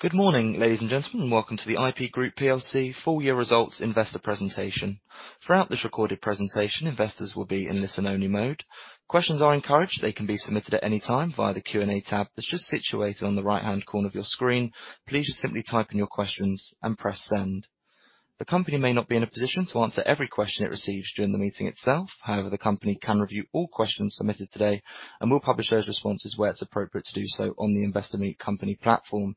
Good morning, ladies and gentlemen, and welcome to the IP Group plc full-year results investor presentation. Throughout this recorded presentation, investors will be in listen-only mode. Questions are encouraged. They can be submitted at any time via the Q&A tab that's just situated on the right-hand corner of your screen. Please just simply type in your questions and press send. The company may not be in a position to answer every question it receives during the meeting itself. However, the company can review all questions submitted today, and we'll publish those responses where it's appropriate to do so on the Investor Meet Company platform.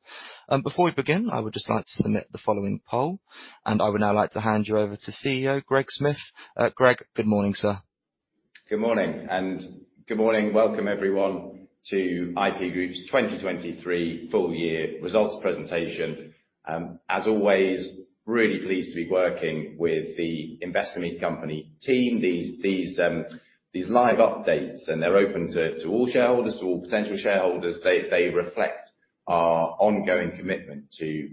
Before we begin, I would just like to submit the following poll, and I would now like to hand you over to CEO Greg Smith. Greg, good morning, sir. Good morning. And good morning. Welcome, everyone, to IP Group's 2023 full-year results presentation. As always, really pleased to be working with the Investor Meet Company team. These live updates, and they're open to all shareholders, to all potential shareholders. They reflect our ongoing commitment to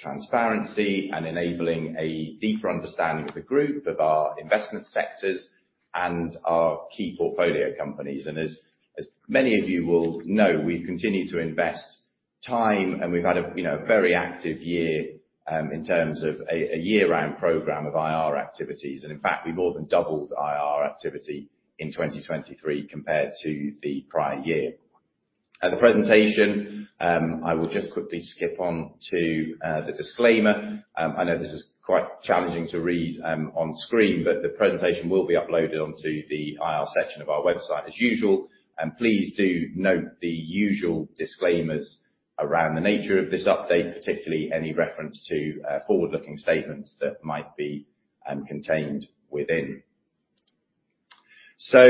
transparency and enabling a deeper understanding of the group, of our investment sectors, and our key portfolio companies. And as many of you will know, we've continued to invest time, and we've had, you know, a very active year, in terms of a year-round program of IR activities. And in fact, we more than doubled IR activity in 2023 compared to the prior year. The presentation, I will just quickly skip on to the disclaimer. I know this is quite challenging to read on screen, but the presentation will be uploaded onto the IR section of our website as usual. Please do note the usual disclaimers around the nature of this update, particularly any reference to forward-looking statements that might be contained within. So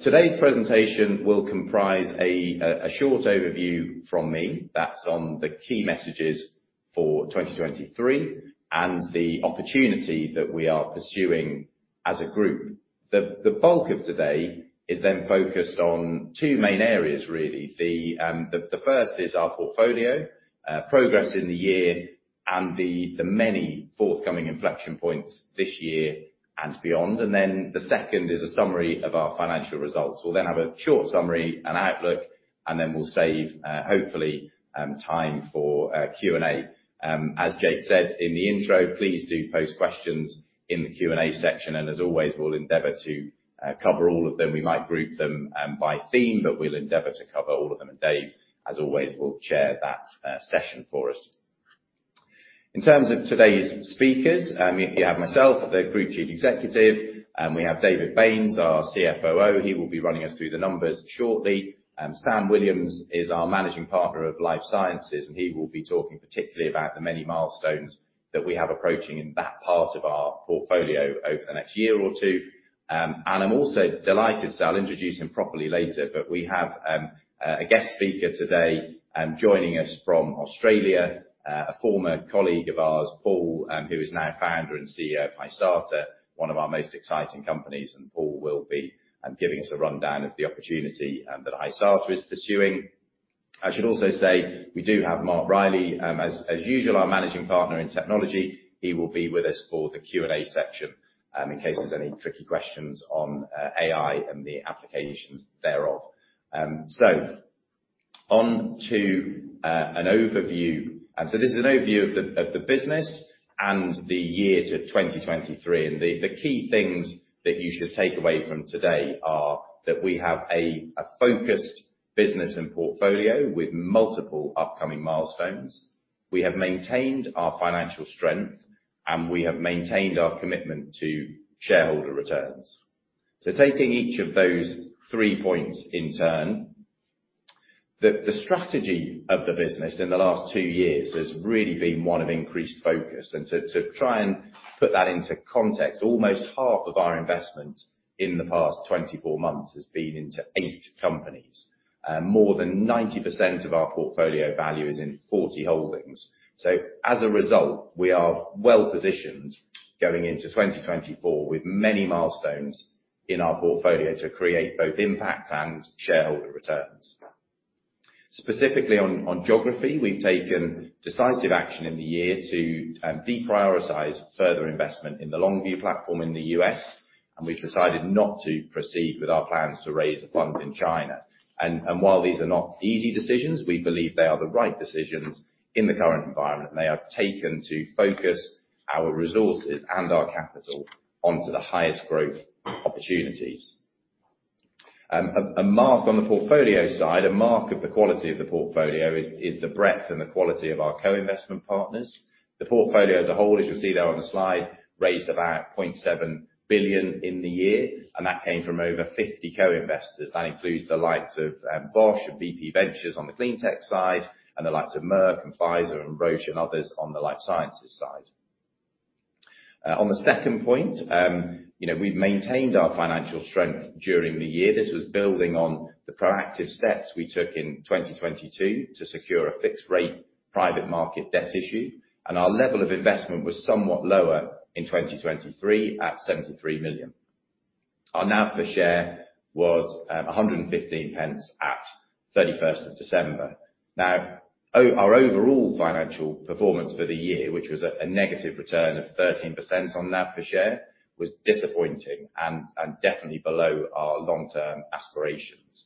today's presentation will comprise a short overview from me that's on the key messages for 2023 and the opportunity that we are pursuing as a group. The first is our portfolio progress in the year, and the many forthcoming inflection points this year and beyond. And then the second is a summary of our financial results. We'll then have a short summary, an outlook, and then we'll save hopefully time for Q&A. As Jake said in the intro, please do post questions in the Q&A section. And as always, we'll endeavor to cover all of them. We might group them by theme, but we'll endeavor to cover all of them. And Dave, as always, will chair that session for us. In terms of today's speakers, you have myself, the Group Chief Executive. We have David Baynes, our CFOO. He will be running us through the numbers shortly. Sam Williams is our Managing Partner of Life Sciences, and he will be talking particularly about the many milestones that we have approaching in that part of our portfolio over the next year or two. And I'm also delighted. We'll introduce properly later, but we have a guest speaker today, joining us from Australia, a former colleague of ours, Paul, who is now founder and CEO of Hysata, one of our most exciting companies. Paul will be giving us a rundown of the opportunity that Hysata is pursuing. I should also say we do have Mark Reilly, as usual, our managing partner in technology. He will be with us for the Q&A section, in case there's any tricky questions on AI and the applications thereof. On to an overview. This is an overview of the business and the year to 2023. The key things that you should take away from today are that we have a focused business and portfolio with multiple upcoming milestones. We have maintained our financial strength, and we have maintained our commitment to shareholder returns. Taking each of those three points in turn, the strategy of the business in the last two years has really been one of increased focus. To try and put that into context, almost half of our investment in the past 24 months has been into eight companies. More than 90% of our portfolio value is in 40 holdings. So as a result, we are well-positioned going into 2024 with many milestones in our portfolio to create both impact and shareholder returns. Specifically on geography, we've taken decisive action in the year to deprioritize further investment in the Longview platform in the U.S., and we've decided not to proceed with our plans to raise a fund in China. And while these are not easy decisions, we believe they are the right decisions in the current environment, and they have taken to focus our resources and our capital onto the highest growth opportunities. A mark on the portfolio side, a mark of the quality of the portfolio is the breadth and the quality of our co-investment partners. The portfolio as a whole, as you'll see there on the slide, raised about 0.7 billion in the year, and that came from over 50 co-investors. That includes the likes of Bosch and BP Ventures on the cleantech side, and the likes of Merck and Pfizer and Roche and others on the life sciences side. On the second point, you know, we've maintained our financial strength during the year. This was building on the proactive steps we took in 2022 to secure a fixed-rate private market debt issue, and our level of investment was somewhat lower in 2023 at 73 million. Our NAV per share was 1.15 at 31st of December. Now, our overall financial performance for the year, which was a negative return of 13% on NAV per share, was disappointing and definitely below our long-term aspirations.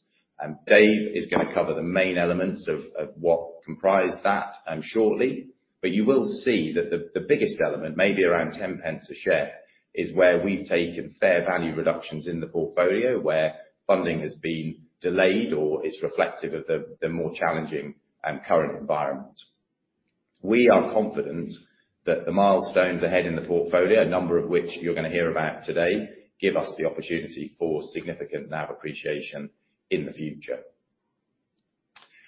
Dave is gonna cover the main elements of what comprised that, shortly, but you will see that the biggest element, maybe around 0.10 per share, is where we've taken fair value reductions in the portfolio where funding has been delayed or it's reflective of the more challenging, current environment. We are confident that the milestones ahead in the portfolio, a number of which you're gonna hear about today, give us the opportunity for significant NAV appreciation in the future.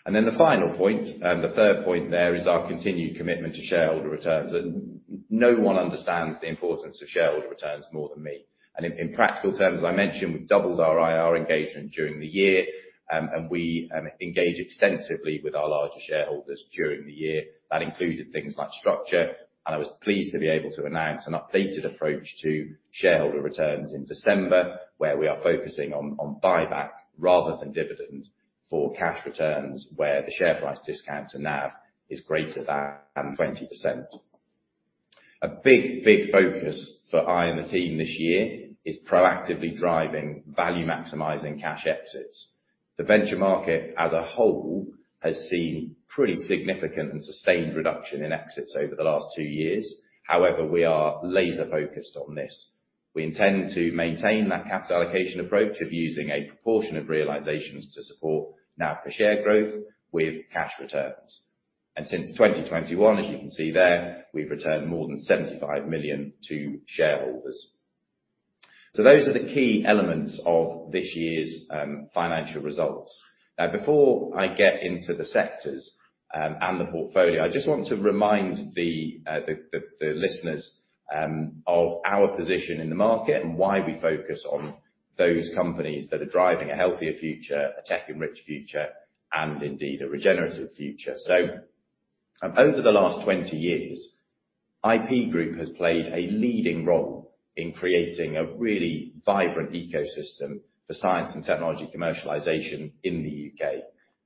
And then the final point, the third point there is our continued commitment to shareholder returns. And no one understands the importance of shareholder returns more than me. And in practical terms, as I mentioned, we've doubled our IR engagement during the year, and we engage extensively with our larger shareholders during the year. That included things like structure, and I was pleased to be able to announce an updated approach to shareholder returns in December where we are focusing on buyback rather than dividend for cash returns where the share price discount to NAV is greater than 20%. A big, big focus for I and the team this year is proactively driving value-maximizing cash exits. The venture market as a whole has seen pretty significant and sustained reduction in exits over the last two years. However, we are laser-focused on this. We intend to maintain that capital allocation approach of using a proportion of realizations to support NAV per share growth with cash returns. And since 2021, as you can see there, we've returned more than 75 million to shareholders. So those are the key elements of this year's financial results. Now, before I get into the sectors, and the portfolio, I just want to remind the listeners of our position in the market and why we focus on those companies that are driving a Healthier Futures, a tech-enriched future, and indeed a regenerative future. So, over the last 20 years, IP Group has played a leading role in creating a really vibrant ecosystem for science and technology commercialization in the U.K.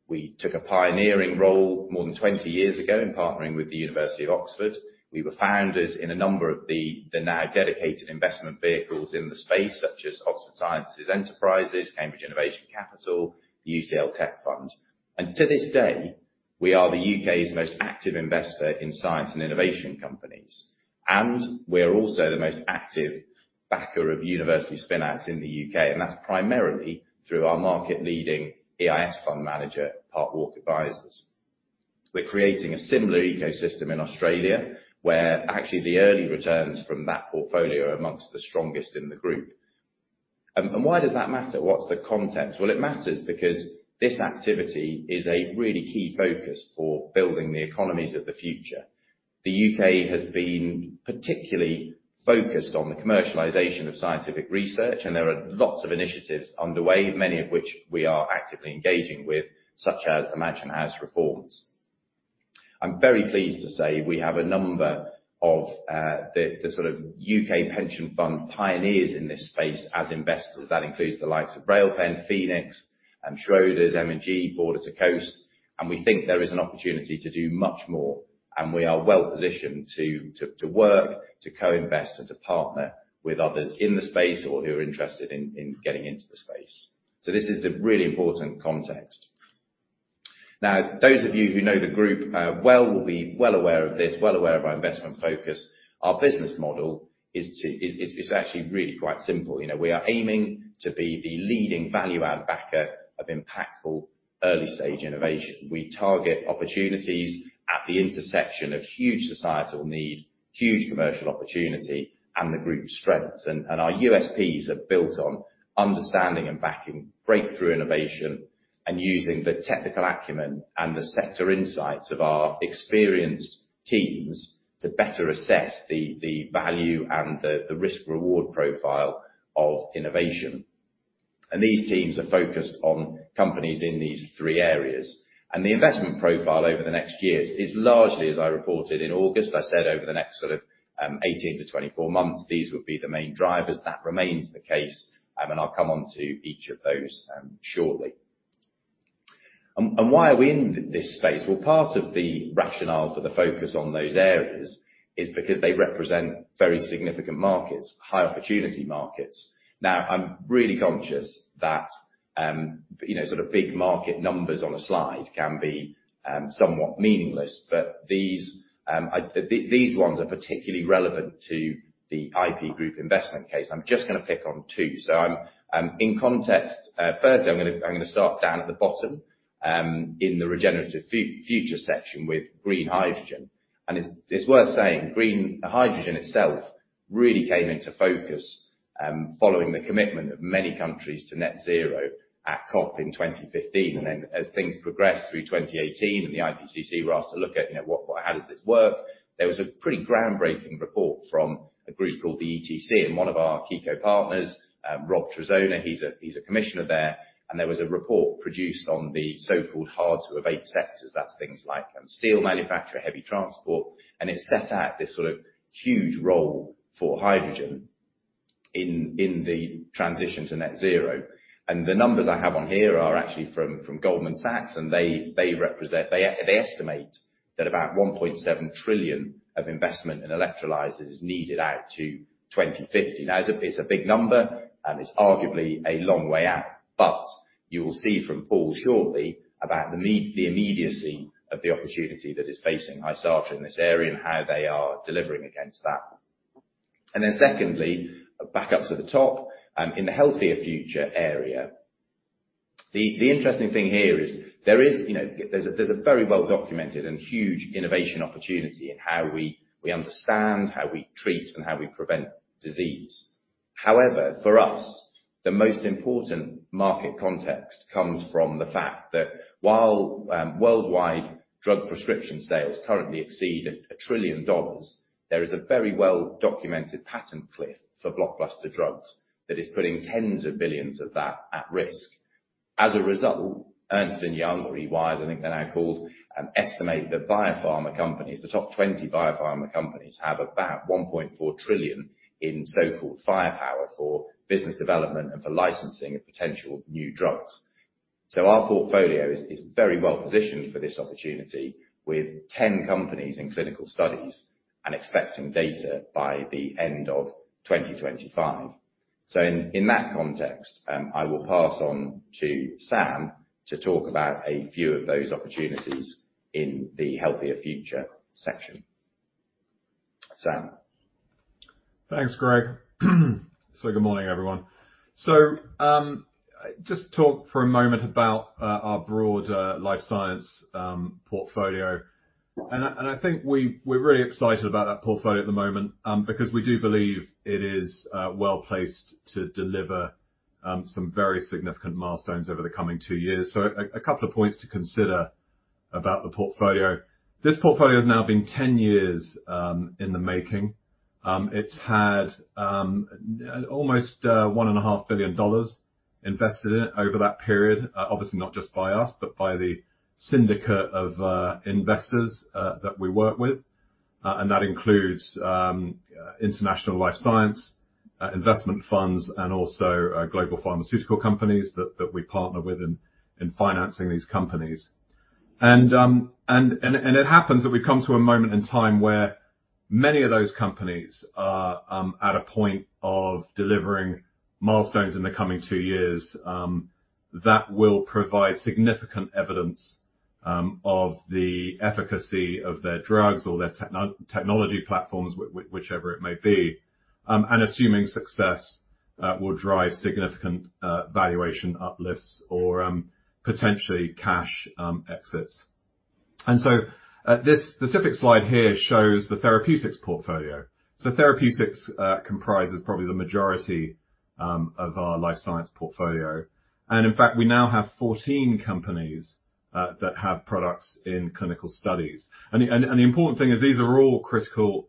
We took a pioneering role more than 20 years ago in partnering with the University of Oxford. We were founders in a number of the now dedicated investment vehicles in the space such as Oxford Science Enterprises, Cambridge Innovation Capital, the UCL Tech Fund. And to this day, we are the UK's most active investor in science and innovation companies, and we are also the most active backer of university spin-outs in the UK, and that's primarily through our market-leading EIS fund manager, Parkwalk Advisors. We're creating a similar ecosystem in Australia where actually the early returns from that portfolio are amongst the strongest in the group. And why does that matter? What's the content? Well, it matters because this activity is a really key focus for building the economies of the future. The UK has been particularly focused on the commercialization of scientific research, and there are lots of initiatives underway, many of which we are actively engaging with, such as the Mansion House reforms. I'm very pleased to say we have a number of, the sort of UK pension fund pioneers in this space as investors. That includes the likes of Railpen, Phoenix, Schroders, M&G, Border to Coast. And we think there is an opportunity to do much more, and we are well-positioned to work, to co-invest, and to partner with others in the space or who are interested in getting into the space. So this is the really important context. Now, those of you who know the group well will be well aware of our investment focus. Our business model is actually really quite simple. You know, we are aiming to be the leading value-add backer of impactful early-stage innovation. We target opportunities at the intersection of huge societal need, huge commercial opportunity, and the group's strengths. And our USPs are built on understanding and backing breakthrough innovation and using the technical acumen and the sector insights of our experienced teams to better assess the value and the risk-reward profile of innovation. And these teams are focused on companies in these three areas. And the investment profile over the next years is largely, as I reported in August, I said, over the next sort of 18-24 months, these would be the main drivers. That remains the case, and I'll come onto each of those shortly. And why are we in this space? Well, part of the rationale for the focus on those areas is because they represent very significant markets, high-opportunity markets. Now, I'm really conscious that, you know, sort of big market numbers on a slide can be, somewhat meaningless, but these ones are particularly relevant to the IP Group investment case. I'm just gonna pick on two. So, in context, firstly, I'm gonna start down at the bottom, in the regenerative future section with green hydrogen. And it's worth saying green hydrogen itself really came into focus, following the commitment of many countries to net zero at COP in 2015. And then as things progressed through 2018 and the IPCC were asked to look at, you know, what how does this work, there was a pretty groundbreaking report from a group called the ETC and one of our key co-partners, Rob Trezona. He's a commissioner there. And there was a report produced on the so-called hard-to-abate sectors. That's things like, steel manufacturer, heavy transport. And it set out this sort of huge role for hydrogen in the transition to net zero. And the numbers I have on here are actually from Goldman Sachs, and they estimate that about $1.7 trillion of investment in electrolyzers is needed out to 2050. Now, it's a big number, and it's arguably a long way out, but you will see from Paul shortly about the immediacy of the opportunity that is facing Hysata in this area and how they are delivering against that. And then secondly, back up to the top, in the Healthier Futures area, the interesting thing here is there is, you know, there's a very well-documented and huge innovation opportunity in how we understand, how we treat, and how we prevent disease. However, for us, the most important market context comes from the fact that while worldwide drug prescription sales currently exceed $1 trillion, there is a very well-documented patent cliff for blockbuster drugs that is putting tens of billions of that at risk. As a result, Ernst & Young, or EY, as I think they're now called, estimate that biopharma companies, the top 20 biopharma companies, have about $1.4 trillion in so-called firepower for business development and for licensing of potential new drugs. Our portfolio is very well-positioned for this opportunity with 10 companies in clinical studies and expecting data by the end of 2025. In that context, I will pass on to Sam to talk about a few of those opportunities in the Healthier Futures section. Sam. Thanks, Greg. So good morning, everyone. So, I just talk for a moment about our broad life science portfolio. I and I think we're really excited about that portfolio at the moment, because we do believe it is well-placed to deliver some very significant milestones over the coming two years. So, a couple of points to consider about the portfolio. This portfolio has now been 10 years in the making. It's had an almost $1.5 billion invested in it over that period, obviously not just by us, but by the syndicate of investors that we work with. And that includes international life science investment funds, and also global pharmaceutical companies that that we partner with in in financing these companies. It happens that we've come to a moment in time where many of those companies are at a point of delivering milestones in the coming two years that will provide significant evidence of the efficacy of their drugs or their technology platforms, whichever it may be, and assuming success, will drive significant valuation uplifts or potentially cash exits. So this specific slide here shows the therapeutics portfolio. Therapeutics comprises probably the majority of our life science portfolio. In fact, we now have 14 companies that have products in clinical studies. The important thing is these are all critical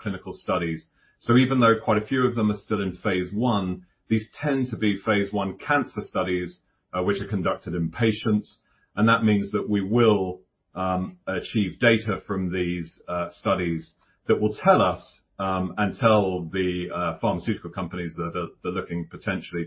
clinical studies. So even though quite a few of them are still in phase one, these tend to be phase one cancer studies, which are conducted in patients. And that means that we will achieve data from these studies that will tell us and tell the pharmaceutical companies that are looking potentially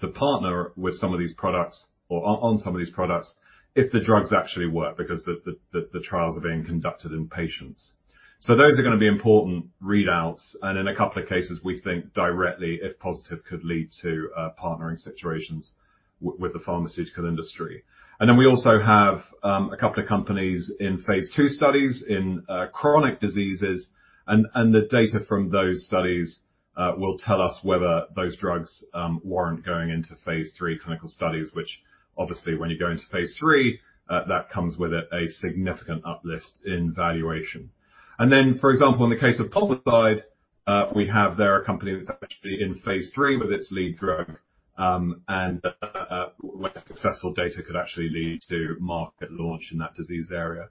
to partner with some of these products or on some of these products if the drugs actually work because the trials are being conducted in patients. So those are gonna be important readouts. And in a couple of cases, we think directly, if positive, could lead to partnering situations with the pharmaceutical industry. And then we also have a couple of companies in phase two studies in chronic diseases. And the data from those studies will tell us whether those drugs warrant going into Phase 3 clinical studies, which obviously, when you go into Phase 3, that comes with it a significant uplift in valuation. And then, for example, in the case of Pulmocide, we have there a company that's actually in Phase 3 with its lead drug, and, when successful data could actually lead to market launch in that disease area.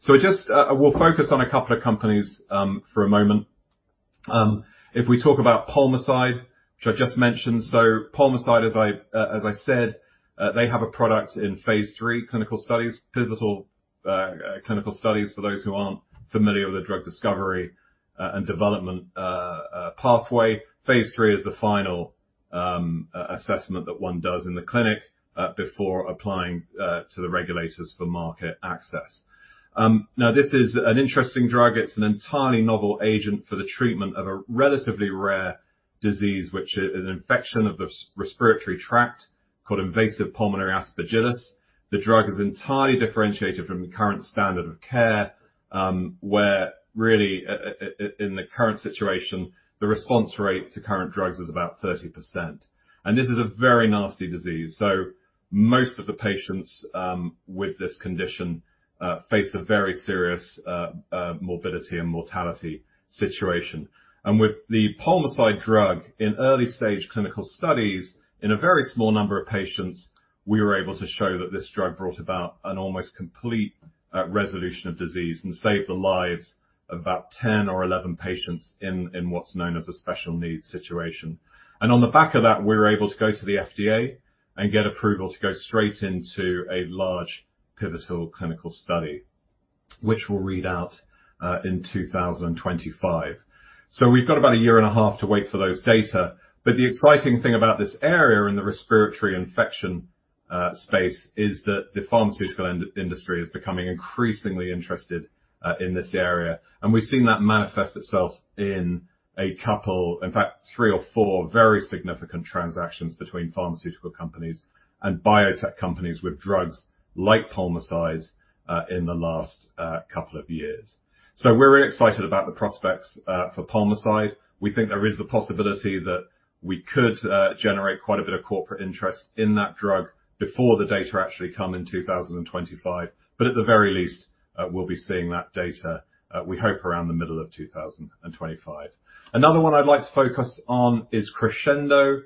So we'll just, we'll focus on a couple of companies, for a moment. If we talk about Pulmocide, which I just mentioned, so Pulmocide, as I said, they have a product in Phase 3 clinical studies, pivotal, clinical studies for those who aren't familiar with the drug discovery, and development, pathway. Phase three is the final, assessment that one does in the clinic, before applying, to the regulators for market access. Now, this is an interesting drug. It's an entirely novel agent for the treatment of a relatively rare disease, which is an infection of the respiratory tract called invasive pulmonary aspergillosis. The drug is entirely differentiated from the current standard of care, where really, in the current situation, the response rate to current drugs is about 30%. This is a very nasty disease. Most of the patients, with this condition, face a very serious, morbidity and mortality situation. With the Pulmocide drug in early-stage clinical studies, in a very small number of patients, we were able to show that this drug brought about an almost complete, resolution of disease and saved the lives of about 10 or 11 patients in, in what's known as a special needs situation. On the back of that, we were able to go to the FDA and get approval to go straight into a large pivotal clinical study, which will read out, in 2025. We've got about a year and a half to wait for those data. But the exciting thing about this area in the respiratory infection space is that the pharmaceutical industry is becoming increasingly interested in this area. And we've seen that manifest itself in a couple, in fact, three or four very significant transactions between pharmaceutical companies and biotech companies with drugs like Pulmocide in the last couple of years. So we're really excited about the prospects for Pulmocide. We think there is the possibility that we could generate quite a bit of corporate interest in that drug before the data actually come in 2025. But at the very least, we'll be seeing that data, we hope, around the middle of 2025. Another one I'd like to focus on is Crescendo,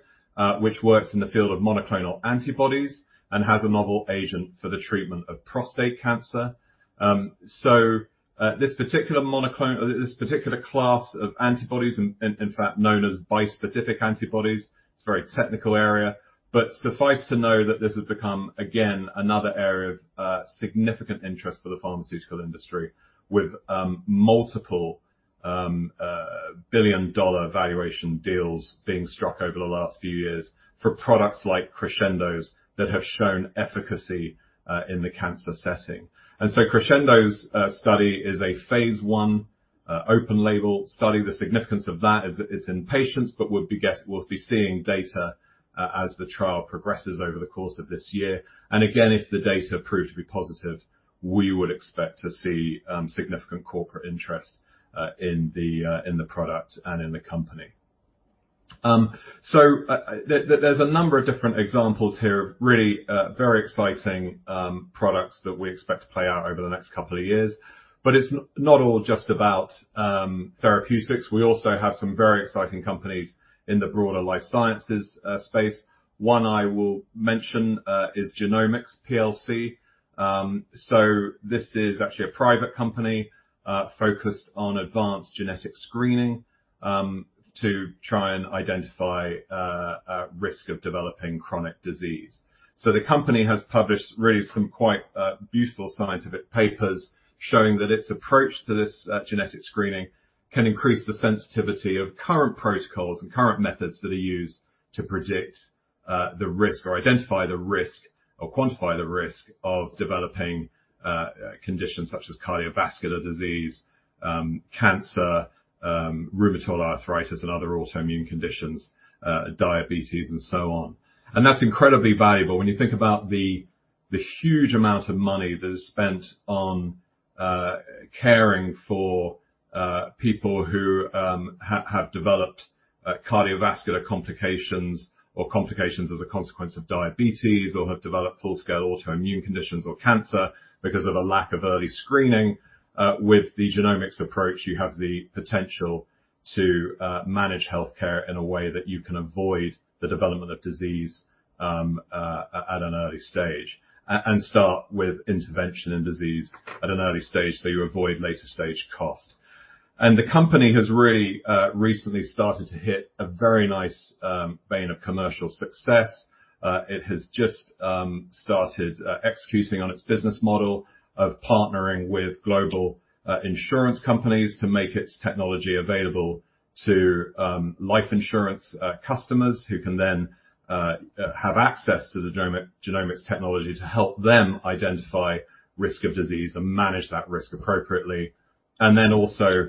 which works in the field of monoclonal antibodies and has a novel agent for the treatment of prostate cancer. So, this particular monoclonal this particular class of antibodies and in fact known as bispecific antibodies. It's a very technical area. But suffice to know that this has become, again, another area of significant interest for the pharmaceutical industry with multiple billion-dollar valuation deals being struck over the last few years for products like Crescendo's that have shown efficacy in the cancer setting. And so Crescendo's study is a phase one open-label study. The significance of that is that it's in patients but would be guessed we'll be seeing data as the trial progresses over the course of this year. And again, if the data proved to be positive, we would expect to see significant corporate interest in the product and in the company. So, there's a number of different examples here of really very exciting products that we expect to play out over the next couple of years. But it's not all just about therapeutics. We also have some very exciting companies in the broader life sciences space. One I will mention is Genomics plc. So this is actually a private company focused on advanced genetic screening to try and identify risk of developing chronic disease. So the company has published really some quite beautiful scientific papers showing that its approach to this genetic screening can increase the sensitivity of current protocols and current methods that are used to predict the risk or identify the risk or quantify the risk of developing conditions such as cardiovascular disease, cancer, rheumatoid arthritis and other autoimmune conditions, diabetes, and so on. And that's incredibly valuable when you think about the huge amount of money that is spent on caring for people who have developed cardiovascular complications or complications as a consequence of diabetes or have developed full-scale autoimmune conditions or cancer because of a lack of early screening. With the Genomics approach, you have the potential to manage healthcare in a way that you can avoid the development of disease at an early stage and start with intervention in disease at an early stage so you avoid later-stage cost. And the company has really recently started to hit a very nice vein of commercial success. It has just started executing on its business model of partnering with global insurance companies to make its technology available to life insurance customers who can then have access to the Genomics technology to help them identify risk of disease and manage that risk appropriately. And then also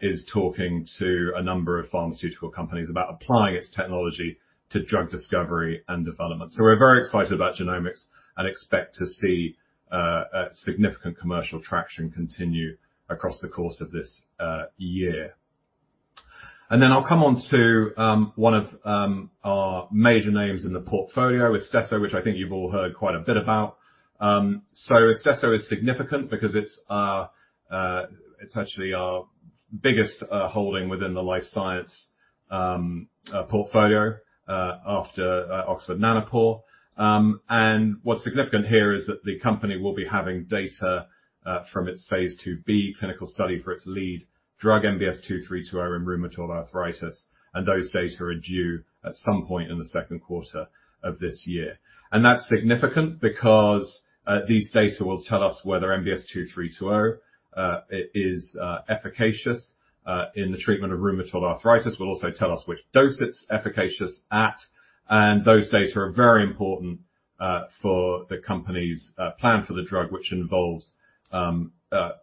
is talking to a number of pharmaceutical companies about applying its technology to drug discovery and development. So we're very excited about Genomics and expect to see significant commercial traction continue across the course of this year. And then I'll come on to one of our major names in the portfolio, Istesso, which I think you've all heard quite a bit about. So Istesso is significant because it's our, it's actually our biggest holding within the life science portfolio, after Oxford Nanopore. What's significant here is that the company will be having data from its phase 2B clinical study for its lead drug, MBS2320, in rheumatoid arthritis. Those data are due at some point in the second quarter of this year. That's significant because these data will tell us whether MBS2320 is efficacious in the treatment of rheumatoid arthritis. It will also tell us which dose it's efficacious at. Those data are very important for the company's plan for the drug, which involves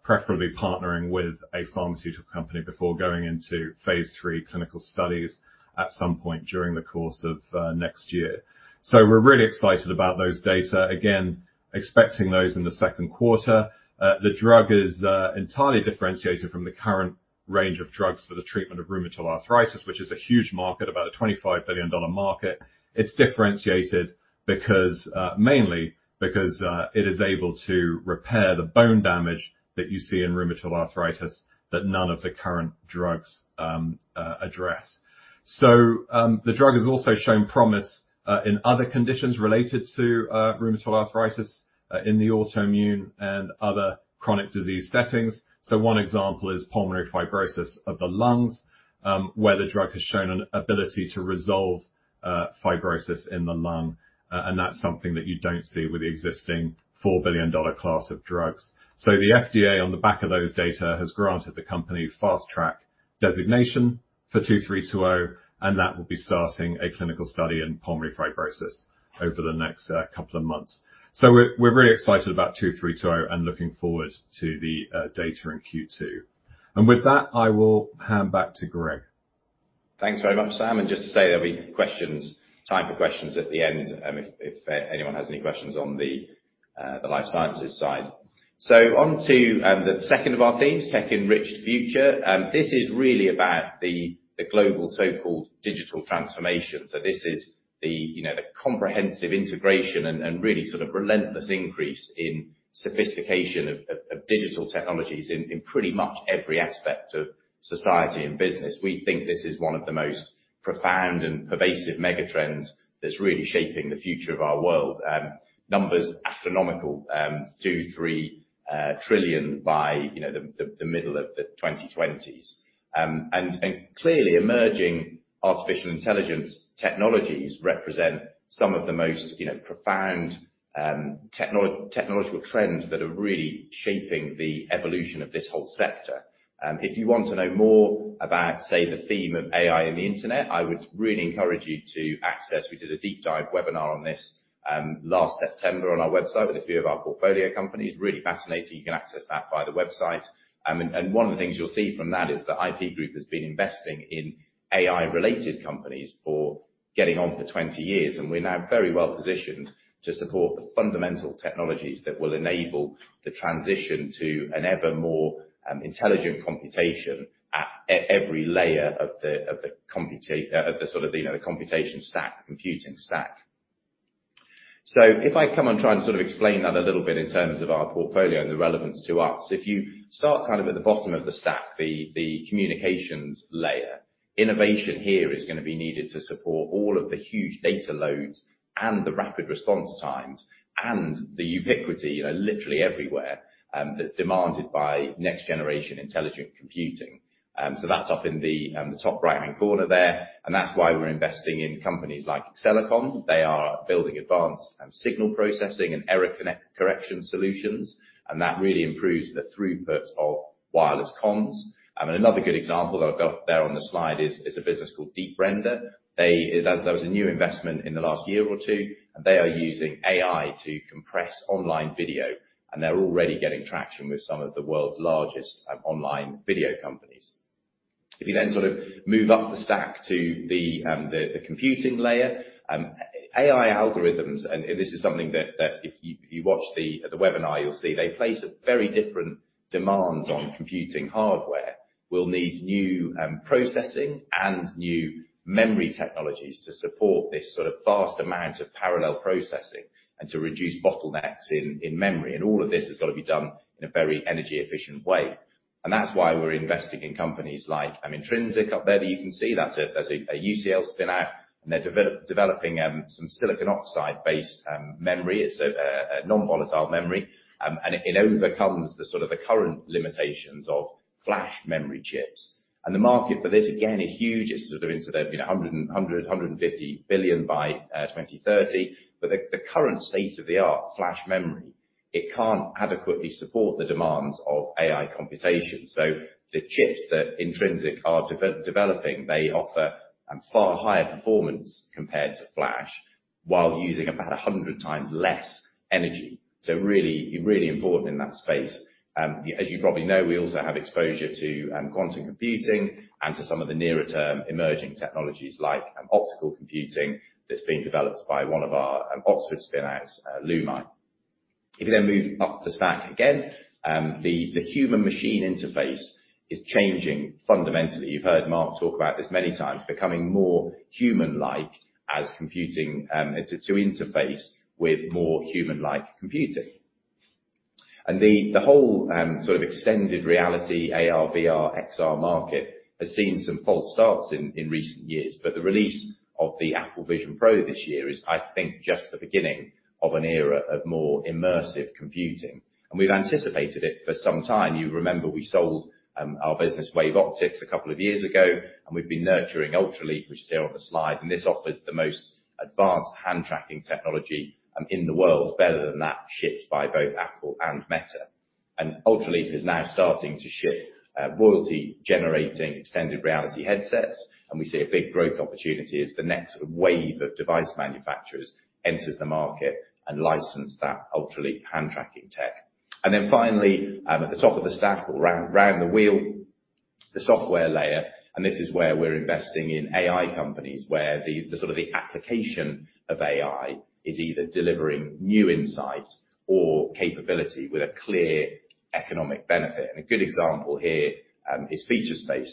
preferably partnering with a pharmaceutical company before going into Phase 3 clinical studies at some point during the course of next year. So we're really excited about those data, again, expecting those in the second quarter. The drug is entirely differentiated from the current range of drugs for the treatment of rheumatoid arthritis, which is a huge market, about a $25 billion market. It's differentiated because, mainly because, it is able to repair the bone damage that you see in rheumatoid arthritis that none of the current drugs address. So, the drug has also shown promise in other conditions related to rheumatoid arthritis, in the autoimmune and other chronic disease settings. So one example is pulmonary fibrosis of the lungs, where the drug has shown an ability to resolve fibrosis in the lung. And that's something that you don't see with the existing $4 billion class of drugs. So the FDA, on the back of those data, has granted the company Fast Track designation for 2320. And that will be starting a clinical study in pulmonary fibrosis over the next couple of months. So we're really excited about 2320 and looking forward to the data in Q2. And with that, I will hand back to Greg. Thanks very much, Sam. Just to say, there'll be questions time for questions at the end, if anyone has any questions on the life sciences side. So onto the second of our themes, Tech-Enriched Future. This is really about the global so-called digital transformation. So this is the, you know, comprehensive integration and really sort of relentless increase in sophistication of digital technologies in pretty much every aspect of society and business. We think this is one of the most profound and pervasive megatrends that's really shaping the future of our world. Numbers astronomical, $2-3 trillion by, you know, the middle of the 2020s. And clearly, emerging artificial intelligence technologies represent some of the most, you know, profound technological trends that are really shaping the evolution of this whole sector. If you want to know more about, say, the theme of AI and the internet, I would really encourage you to access. We did a deep-dive webinar on this, last September on our website with a few of our portfolio companies. Really fascinating. You can access that via the website. And one of the things you'll see from that is that IP Group has been investing in AI-related companies for getting on for 20 years. And we're now very well positioned to support the fundamental technologies that will enable the transition to an ever more intelligent computation at every layer of the computation stack, the computing stack. So if I come and try and sort of explain that a little bit in terms of our portfolio and the relevance to us, if you start kind of at the bottom of the stack, the communications layer, innovation here is gonna be needed to support all of the huge data loads and the rapid response times and the ubiquity, you know, literally everywhere, that's demanded by next-generation intelligent computing. So that's up in the top right-hand corner there. And that's why we're investing in companies like AccelerComm. They are building advanced signal processing and error correction solutions. And that really improves the throughput of wireless comms. And another good example that I've got there on the slide is a business called Deep Render. They, that was a new investment in the last year or two. And they are using AI to compress online video. And they're already getting traction with some of the world's largest online video companies. If you then sort of move up the stack to the computing layer, AI algorithms and this is something that if you watch the webinar, you'll see they place very different demands on computing hardware, will need new processing and new memory technologies to support this sort of fast amount of parallel processing and to reduce bottlenecks in memory. And all of this has gotta be done in a very energy-efficient way. And that's why we're investing in companies like Intrinsic up there that you can see. That's a UCL spin-out. And they're developing some silicon oxide-based memory. It's a non-volatile memory, and it overcomes the sort of the current limitations of flash memory chips. And the market for this, again, is huge. It's sort of into the, you know, $100-$150 billion by 2030. But the current state-of-the-art flash memory, it can't adequately support the demands of AI computation. So the chips that Intrinsic are developing, they offer far higher performance compared to flash while using about 100 times less energy. So really, really important in that space. As you probably know, we also have exposure to quantum computing and to some of the nearer-term emerging technologies like optical computing that's being developed by one of our Oxford spin-outs, Lumai. If you then move up the stack again, the human-machine interface is changing fundamentally. You've heard Mark talk about this many times, becoming more human-like as computing to interface with more human-like computing. The whole, sort of extended reality, AR, VR, XR market has seen some false starts in recent years. But the release of the Apple Vision Pro this year is, I think, just the beginning of an era of more immersive computing. And we've anticipated it for some time. You remember we sold our business, Wave Optics, a couple of years ago. And we've been nurturing Ultraleap, which is here on the slide. And this offers the most advanced hand-tracking technology in the world, better than that shipped by both Apple and Meta. And Ultraleap is now starting to ship royalty-generating extended reality headsets. And we see a big growth opportunity as the next sort of wave of device manufacturers enters the market and license that Ultraleap hand-tracking tech. And then finally, at the top of the stack or round the wheel, the software layer. This is where we're investing in AI companies where the sort of application of AI is either delivering new insight or capability with a clear economic benefit. A good example here is Featurespace.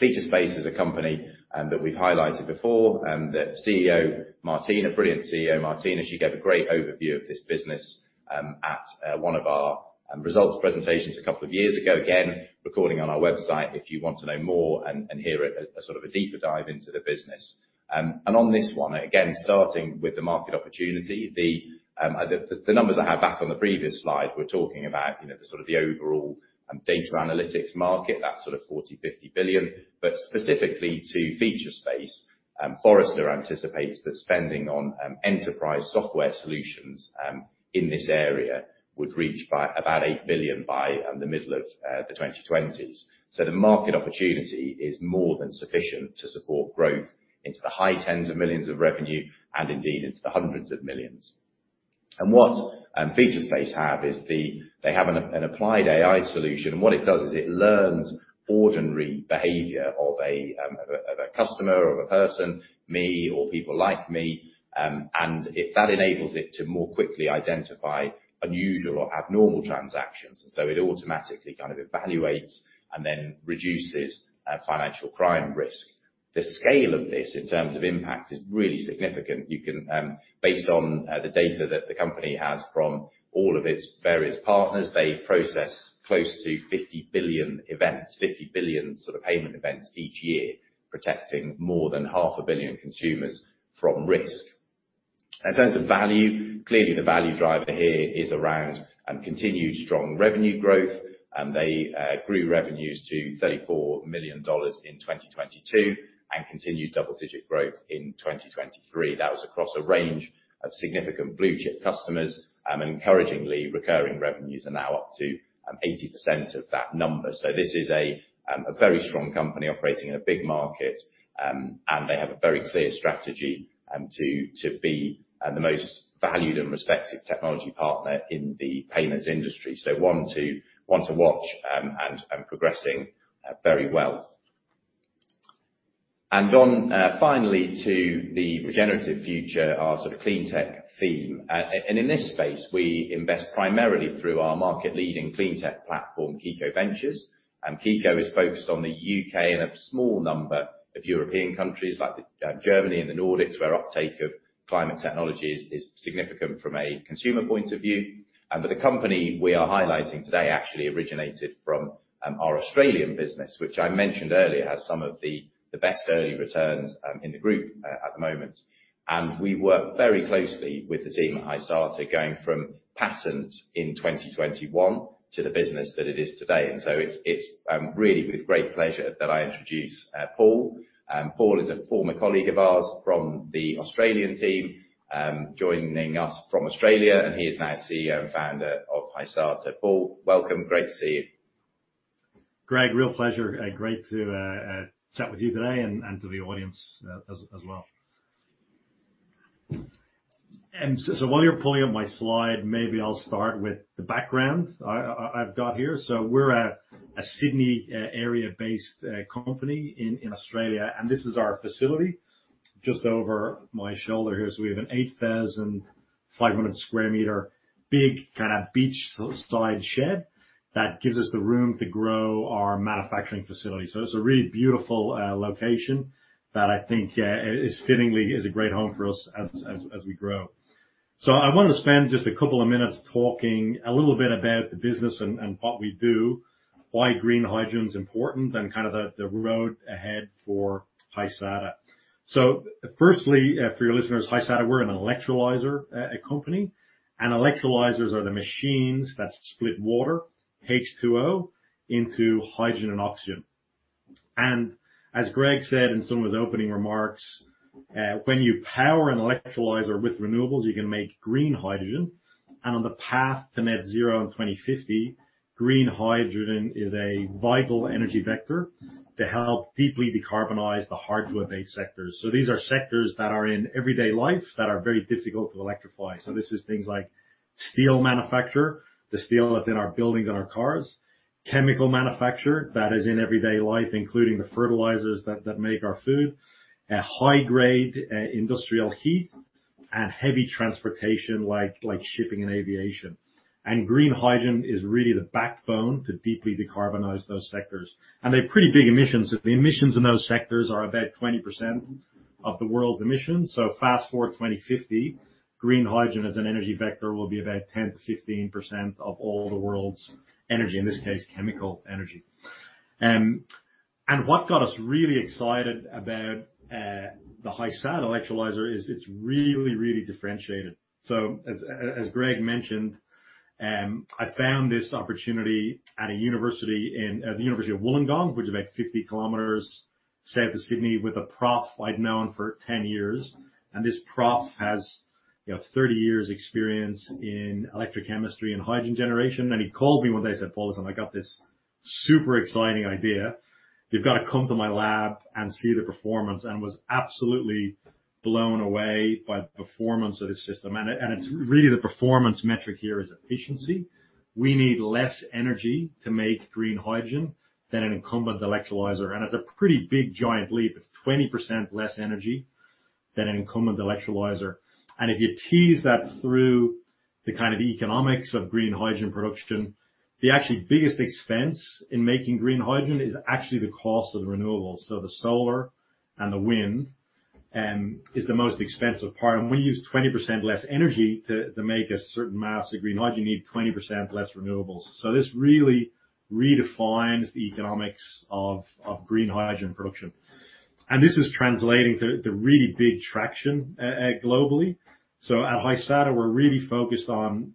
Featurespace is a company that we've highlighted before, that CEO Martina, brilliant CEO Martina, she gave a great overview of this business at one of our results presentations a couple of years ago. Again, recording on our website if you want to know more and hear a sort of a deeper dive into the business. And on this one, again, starting with the market opportunity, the numbers I have back on the previous slide, we're talking about, you know, the sort of overall data analytics market, that sort of $40 billion-$50 billion. But specifically to Featurespace, Forrester anticipates that spending on enterprise software solutions in this area would reach about $8 billion by the middle of the 2020s. So the market opportunity is more than sufficient to support growth into the high tens of millions of revenue and indeed into the hundreds of millions. And what Featurespace have is they have an applied AI solution. And what it does is it learns ordinary behavior of a customer or of a person, me, or people like me, and that enables it to more quickly identify unusual or abnormal transactions. And so it automatically kind of evaluates and then reduces financial crime risk. The scale of this in terms of impact is really significant. You can, based on the data that the company has from all of its various partners, they process close to 50 billion events, 50 billion sort of payment events each year, protecting more than 500 million consumers from risk. In terms of value, clearly the value driver here is around continued strong revenue growth. They grew revenues to $34 million in 2022 and continued double-digit growth in 2023. That was across a range of significant blue-chip customers. Encouragingly, recurring revenues are now up to 80% of that number. So this is a very strong company operating in a big market. They have a very clear strategy to be the most valued and respected technology partner in the payments industry. So one to watch and progressing very well. Finally to the regenerative future, our sort of cleantech theme. And in this space, we invest primarily through our market-leading cleantech platform, Kiko Ventures. Kiko is focused on the UK and a small number of European countries like Germany and the Nordics, where uptake of climate technology is significant from a consumer point of view. But the company we are highlighting today actually originated from our Australian business, which I mentioned earlier has some of the best early returns in the group at the moment. And we work very closely with the team at Hysata going from patent in 2021 to the business that it is today. And so it's really with great pleasure that I introduce Paul. Paul is a former colleague of ours from the Australian team, joining us from Australia. And he is now CEO and founder of Hysata. Paul, welcome. Great to see you. Greg, real pleasure. Great to chat with you today and to the audience, as well. So while you're pulling up my slide, maybe I'll start with the background I've got here. So we're a Sydney area-based company in Australia. And this is our facility just over my shoulder here. So we have an 8,500 square meter big kind of beachside shed that gives us the room to grow our manufacturing facility. So it's a really beautiful location that I think is fittingly a great home for us as we grow. So I wanted to spend just a couple of minutes talking a little bit about the business and what we do, why green hydrogen's important, and kind of the road ahead for Hysata. So firstly, for your listeners, Hysata, we're an electrolyzer company. Electrolyzers are the machines that split water, H2O, into hydrogen and oxygen. As Greg said in some of his opening remarks, when you power an electrolyzer with renewables, you can make green hydrogen. On the path to net zero in 2050, green hydrogen is a vital energy vector to help deeply decarbonize the hard-to-abate sectors. These are sectors that are in everyday life that are very difficult to electrify. This is things like steel manufacture, the steel that's in our buildings and our cars, chemical manufacture that is in everyday life, including the fertilizers that make our food, a high-grade industrial heat, and heavy transportation like shipping and aviation. Green hydrogen is really the backbone to deeply decarbonize those sectors. They have pretty big emissions. The emissions in those sectors are about 20% of the world's emissions. So fast forward 2050, green hydrogen as an energy vector will be about 10%-15% of all the world's energy, in this case, chemical energy. And what got us really excited about the Hysata electrolyzer is it's really, really differentiated. So as Greg mentioned, I found this opportunity at a university in the University of Wollongong, which is about 50 km south of Sydney, with a prof I'd known for 10 years. And this prof has, you know, 30 years' experience in electrochemistry and hydrogen generation. And he called me one day and said, "Paul, listen, I got this super exciting idea. You've gotta come to my lab and see the performance." And was absolutely blown away by the performance of his system. And it's really the performance metric here is efficiency. We need less energy to make green hydrogen than an incumbent electrolyzer. And it's a pretty big giant leap. It's 20% less energy than an incumbent electrolyzer. And if you tease that through the kind of economics of green hydrogen production, the actually biggest expense in making green hydrogen is actually the cost of the renewables. So the solar and the wind, is the most expensive part. And when you use 20% less energy to, to make a certain mass of green hydrogen, you need 20% less renewables. So this really redefines the economics of, of green hydrogen production. And this is translating to, to really big traction, globally. So at Hysata, we're really focused on,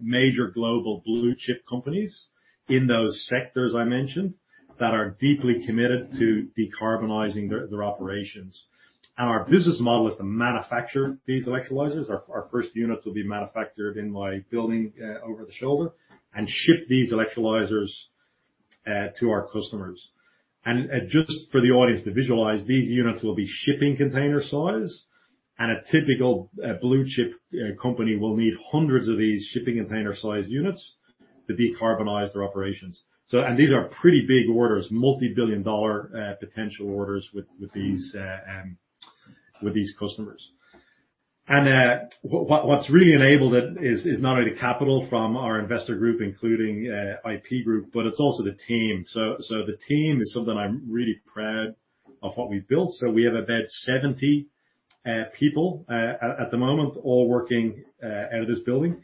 major global blue-chip companies in those sectors I mentioned that are deeply committed to decarbonizing their, their operations. And our business model is to manufacture these electrolyzers. Our first units will be manufactured in my building, over the shoulder and ship these electrolyzers to our customers. And just for the audience to visualize, these units will be shipping container size. A typical blue-chip company will need hundreds of these shipping container-sized units to decarbonize their operations. So these are pretty big orders, multi-billion-dollar potential orders with these customers. What's really enabled it is not only the capital from our investor group, including IP Group, but it's also the team. So the team is something I'm really proud of what we've built. We have about 70 people at the moment, all working out of this building.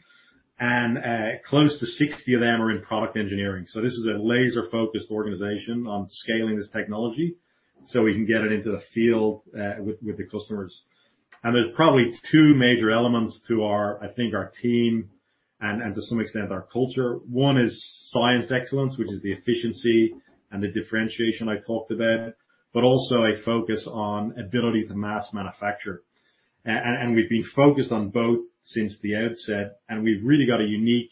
Close to 60 of them are in product engineering. So this is a laser-focused organization on scaling this technology so we can get it into the field, with, with the customers. And there's probably two major elements to our, I think, our team and, and to some extent, our culture. One is science excellence, which is the efficiency and the differentiation I talked about, but also a focus on ability to mass manufacture. And, and we've been focused on both since the outset. And we've really got a unique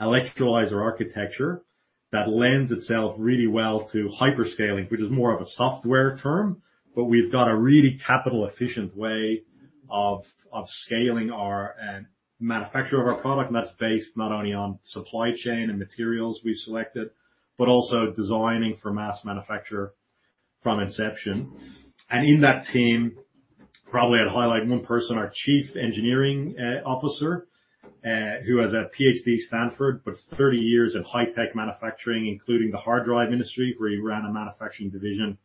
electrolyzer architecture that lends itself really well to hyperscaling, which is more of a software term. But we've got a really capital-efficient way of, of scaling our, manufacture of our product. And that's based not only on supply chain and materials we've selected, but also designing for mass manufacture from inception. In that team, probably I'd highlight one person, our Chief Engineering Officer, who has a PhD Stanford, but 30 years in high-tech manufacturing, including the hard drive industry, where he ran a manufacturing division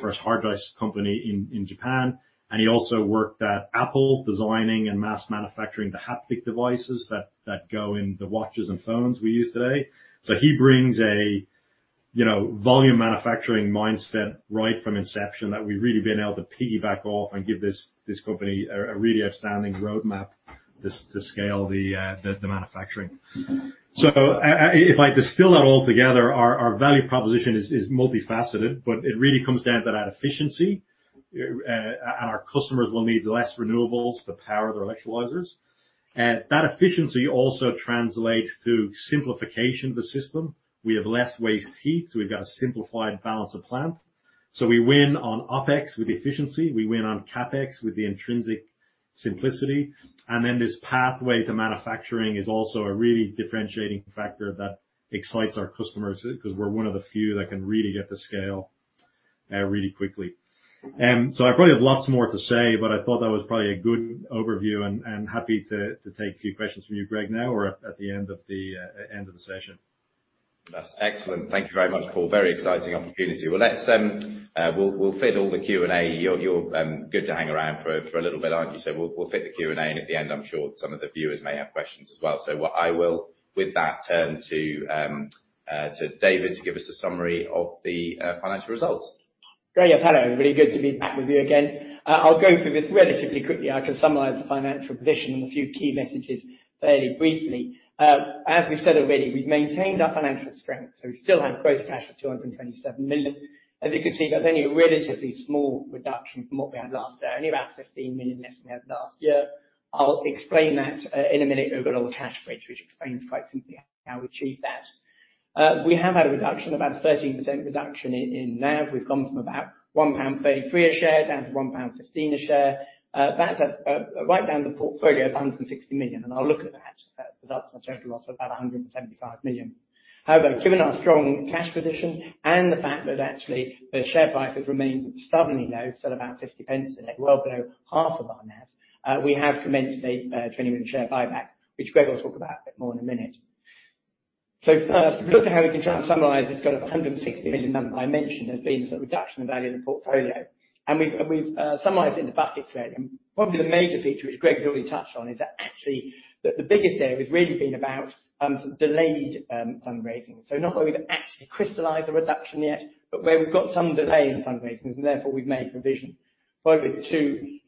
for his hard drive company in Japan. He also worked at Apple designing and mass manufacturing the haptic devices that go in the watches and phones we use today. So he brings a you know volume manufacturing mindset right from inception that we've really been able to piggyback off and give this company a really outstanding roadmap to scale the manufacturing. So, if I distill that all together, our value proposition is multifaceted. But it really comes down to that efficiency, and our customers will need less renewables to power their electrolyzers. That efficiency also translates to simplification of the system. We have less waste heat. So we've got a simplified balance of plant. So we win on OpEx with efficiency. We win on CapEx with the intrinsic simplicity. And then this pathway to manufacturing is also a really differentiating factor that excites our customers 'cause we're one of the few that can really get to scale, really quickly. So I probably have lots more to say, but I thought that was probably a good overview. And happy to take a few questions from you, Greg, now or at the end of the session. That's excellent. Thank you very much, Paul. Very exciting opportunity. Well, let's, we'll fit all the Q&A. You're good to hang around for a little bit, aren't you? So we'll fit the Q&A. And at the end, I'm sure some of the viewers may have questions as well. So with that, I will turn to David to give us a summary of the financial results. Great. Yeah. Hello. Really good to be back with you again. I'll go through this relatively quickly. I can summarize the financial position and a few key messages fairly briefly. As we've said already, we've maintained our financial strength. So we still have gross cash of 227 million. As you can see, that's only a relatively small reduction from what we had last year, only about 15 million less than we had last year. I'll explain that in a minute over a little cash bridge, which explains quite simply how we achieved that. We have had a reduction, about a 13% reduction in NAV. We've gone from about 1.33 pound a share down to 1.15 pound a share. That's right down the portfolio of 160 million. And I'll look at that, that's a total loss of about 175 million. However, given our strong cash position and the fact that actually the share prices remain stubbornly low, still about 0.50 today, well below half of our NAV, we have commenced a 20 million share buyback, which Greg will talk about a bit more in a minute. So first, if we look at how we can try and summarize this kind of 160 million number I mentioned as being a sort of reduction in value in the portfolio. And we've summarized it in the buckets there. And probably the major feature, which Greg's already touched on, is that actually the biggest area has really been about some delayed fundraising. So not that we've actually crystallized a reduction yet, but where we've got some delay in fundraisings, and therefore we've made provision. Probably the two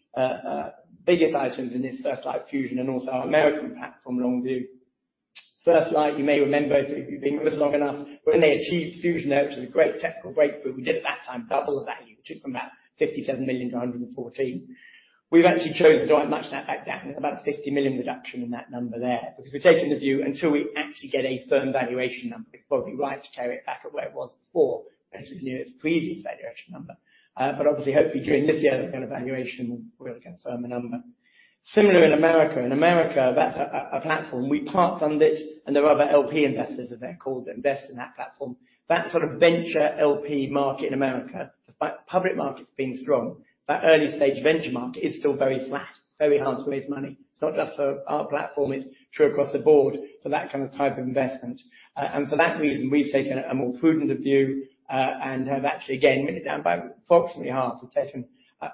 biggest items in this First Light Fusion and also our American platform, Longview. First Light, you may remember if you've been with us long enough, when they achieved fusion there, which was a great technical breakthrough, we did at that time double the value, which is from about 57 million to 114 million. We've actually chosen to write much of that back down. It's about a 50 million reduction in that number there because we're taking the view until we actually get a firm valuation number. It's probably right to carry it back at where it was before as we knew its previous valuation number. But obviously, hopefully, during this year, that kind of valuation, we'll confirm a number. Similar in America. In America, that's a platform. We part-fund it. And there are other LP investors, as they're called, that invest in that platform. That sort of venture LP market in America, despite public markets being strong, that early-stage venture market is still very flat, very hard to raise money. It's not just for our platform. It's true across the board for that kind of type of investment. For that reason, we've taken a more prudent view, and have actually, again, written down by approximately half. We've taken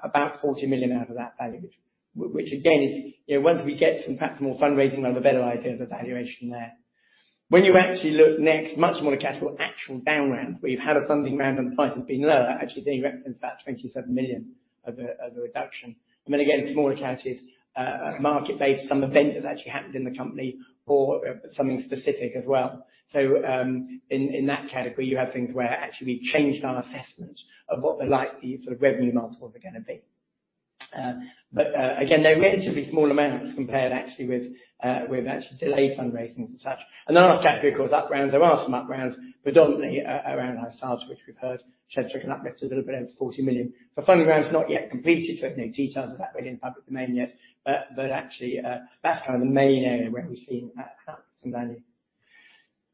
about 40 million out of that value, which again is, you know, once we get some perhaps more fundraising, we'll have a better idea of the valuation there. When you actually look next, much smaller cash flow, actual down rounds, where you've had a funding round and the price has been lower, actually, then you represent about 27 million of a reduction. And then again, smaller cashes, market-based, some event that's actually happened in the company or something specific as well. So, in that category, you have things where actually we've changed our assessment of what the likely sort of revenue multiples are gonna be. But, again, they're relatively small amounts compared actually with actually delayed fundraisings and such. And then last category, of course, up rounds. There are some up rounds, predominantly, around Hysata, which we've heard shows a kind of uplift of a little bit over 40 million. For funding rounds, not yet completed. We have no details of that really in the public domain yet. But actually, that's kind of the main area where we've seen some value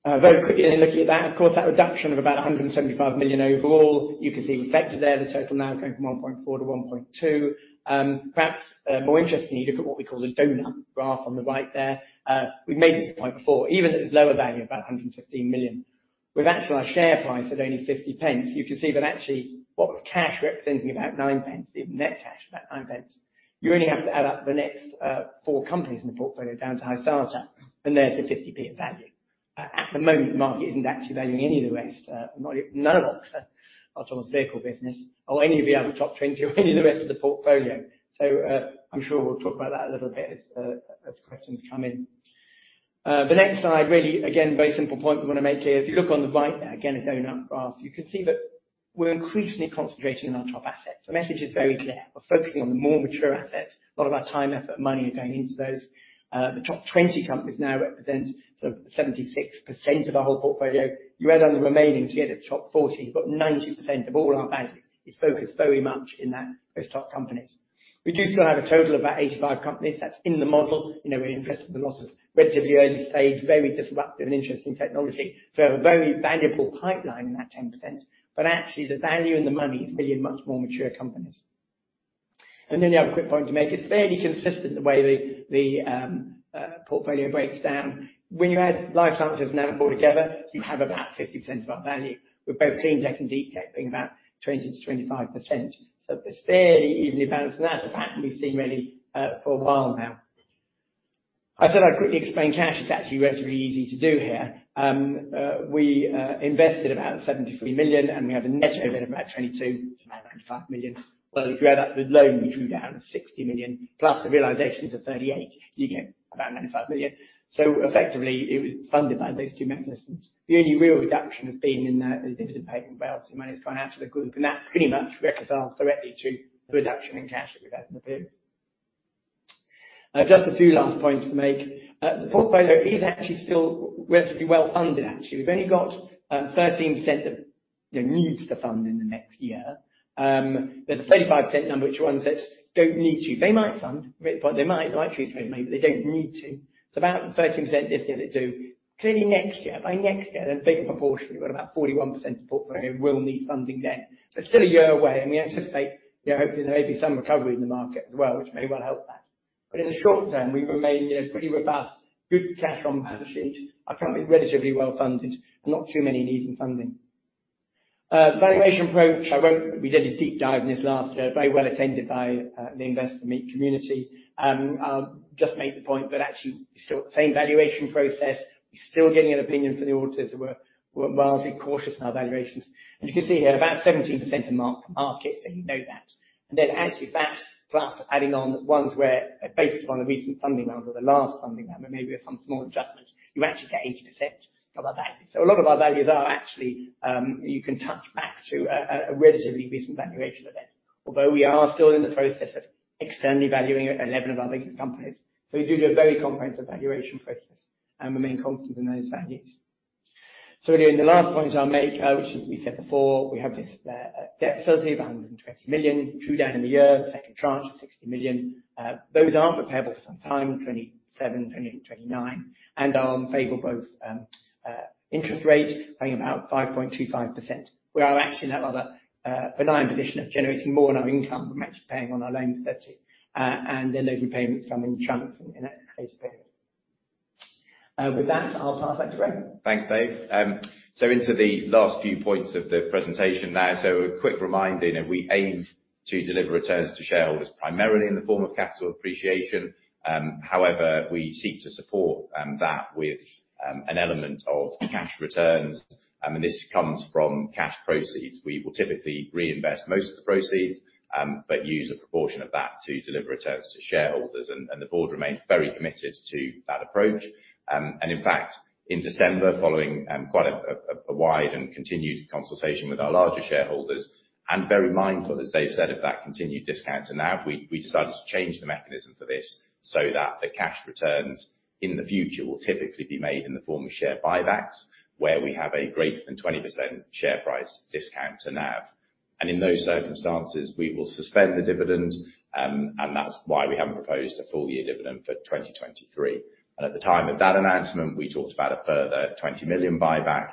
happen. Very quickly then looking at that, of course, that reduction of about 175 million overall, you can see reflected there, the total NAV going from 1.4 billion to 1.2 billion. Perhaps, more interestingly, you look at what we call the donut graph on the right there. We've made this point before, even at this lower value of about 115 million, with actually our share price at only 0.50, you can see that actually what cash representing about 0.09, even net cash about 0.09, you only have to add up the next four companies in the portfolio down to Hysata. And there's a 0.50 of value. At the moment, the market isn't actually valuing any of the rest, not none of Oxbotica or any of the other top 20 or any of the rest of the portfolio. So, I'm sure we'll talk about that a little bit as questions come in. The next slide, really, again, very simple point we wanna make here. If you look on the right there, again, a donut graph, you can see that we're increasingly concentrating on our top assets. The message is very clear. We're focusing on the more mature assets. A lot of our time, effort, and money are going into those. The top 20 companies now represent sort of 76% of our whole portfolio. You add on the remaining to get at the top 40, you've got 90% of all our value is focused very much in that most top companies. We do still have a total of about 85 companies. That's in the model. You know, we're invested in a lot of relatively early stage, very disruptive and interesting technology. So we have a very valuable pipeline in that 10%. But actually, the value and the money is billion much more mature companies. And then the other quick point to make, it's fairly consistent the way the portfolio breaks down. When you add life sciences and NAV all together, you have about 50% of our value, with both cleantech and Deeptech being about 20%-25%. So it's fairly evenly balanced. That's a fact we've seen really, for a while now. I said I'd quickly explain cash. It's actually relatively easy to do here. We invested about 73 million. We had a net dividend of about 22 million to about 95 million. Well, if you add up the loan we drew down, 60 million, plus the realizations of 38 million, you get about 95 million. So effectively, it was funded by those two mechanisms. The only real reduction has been in the dividend payment balance. The money's gone out to the group. That pretty much reconciles directly to the reduction in cash that we've had in the period. Just a few last points to make. The portfolio is actually still relatively well-funded, actually. We've only got 13% that, you know, needs to fund in the next year. There's a 35% number, which one says don't need to. They might fund. Right at the point, they might. They might choose to don't make, but they don't need to. It's about 13% this year that do. Clearly, next year, by next year, then bigger proportionally, we've got about 41% of the portfolio will need funding then. But still a year away. And we anticipate, you know, hopefully, there may be some recovery in the market as well, which may well help that. But in the short term, we remain, you know, pretty robust, good cash on balance sheet, our company relatively well-funded, and not too many needing funding. Valuation approach, we did a deep dive in this last year, very well attended by the Investor Meet community. I'll just make the point that actually, we're still at the same valuation process. We're still getting an opinion from the auditors. So we're wildly cautious in our valuations. And you can see here, about 17% of market. So you know that. And then actually that, plus adding on the ones where based upon the recent funding round or the last funding round, but maybe with some small adjustment, you actually get 80% of our value. So a lot of our values are actually, you can touch back to a relatively recent valuation event, although we are still in the process of externally valuing 11 of our biggest companies. So we do a very comprehensive valuation process and remain confident in those values. So really, in the last points I'll make, which we said before, we have this debt facility of 120 million, drawn down in the year, the second tranche, 60 million. Those aren't repayable for some time, 2027, 2028, 2029. And our unfavorably low interest rate paying about 5.25%. We are actually in that rather benign position of generating more income. We're actually paying on our loan for 2030. And then those repayments come in chunks in a later period. With that, I'll pass back to Greg. Thanks, Dave. So into the last few points of the presentation there. So a quick reminder, you know, we aim to deliver returns to shareholders primarily in the form of capital appreciation. However, we seek to support that with an element of cash returns. And this comes from cash proceeds. We will typically reinvest most of the proceeds, but use a proportion of that to deliver returns to shareholders. And the board remains very committed to that approach. And in fact, in December, following quite a wide and continued consultation with our larger shareholders and very mindful, as Dave said, of that continued discount to NAV, we decided to change the mechanism for this so that the cash returns in the future will typically be made in the form of share buybacks where we have a greater than 20% share price discount to NAV. And in those circumstances, we will suspend the dividend. And that's why we haven't proposed a full-year dividend for 2023. And at the time of that announcement, we talked about a further 20 million buyback.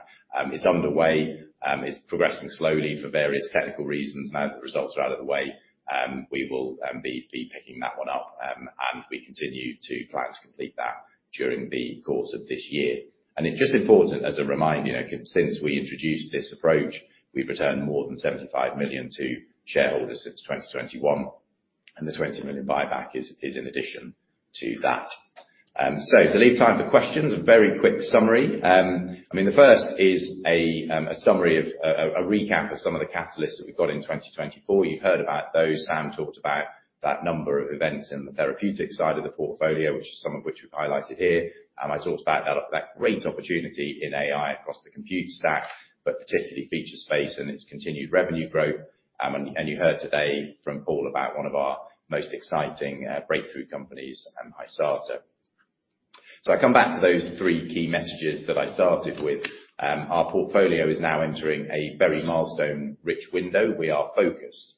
It's underway. It's progressing slowly for various technical reasons. Now that the results are out of the way, we will be picking that one up. And we continue to plan to complete that during the course of this year. And it's just important as a reminder, you know, since we introduced this approach, we've returned more than 75 million to shareholders since 2021. And the 20 million buyback is in addition to that. So to leave time for questions, a very quick summary. I mean, the first is a summary of a recap of some of the catalysts that we've got in 2024. You've heard about those. Sam talked about that number of events in the therapeutics side of the portfolio, which is some of which we've highlighted here. I talked about that, that great opportunity in AI across the compute stack, but particularly Featurespace and its continued revenue growth. And you heard today from Paul about one of our most exciting, breakthrough companies, Hysata. So I come back to those three key messages that I started with. Our portfolio is now entering a very milestone-rich window. We are focused.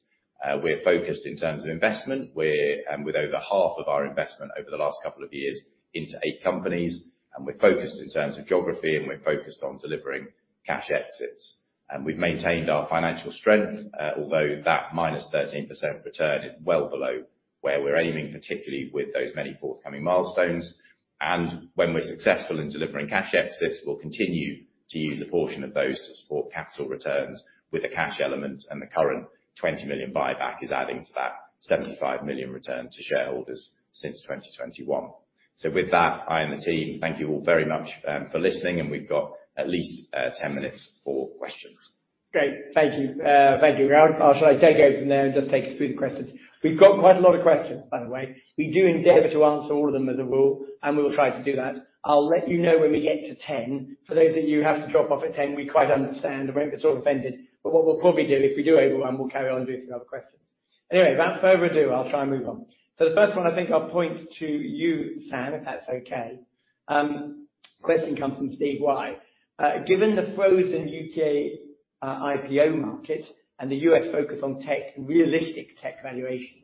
We're focused in terms of investment. We're with over half of our investment over the last couple of years into eight companies. We're focused in terms of geography. We're focused on delivering cash exits. We've maintained our financial strength, although that -13% return is well below where we're aiming, particularly with those many forthcoming milestones. When we're successful in delivering cash exits, we'll continue to use a portion of those to support capital returns with a cash element. The current 20 million buyback is adding to that 75 million return to shareholders since 2021. With that, I and the team thank you all very much for listening. We've got at least 10 minutes for questions. Great. Thank you. Thank you, all. I'll sort of take over from there and just take a spoonful of questions. We've got quite a lot of questions, by the way. We do endeavor to answer all of them as a rule. We will try to do that. I'll let you know when we get to 10. For those that you have to drop off at 10, we quite understand. We won't get sort of offended. What we'll probably do, if we do overwhelm, we'll carry on doing a few other questions. Anyway, without further ado, I'll try and move on. The first one, I think I'll point to you, Sam, if that's okay. Question comes from Steve White. Given the frozen U.K. IPO market and the U.S. focus on tech and realistic tech valuations,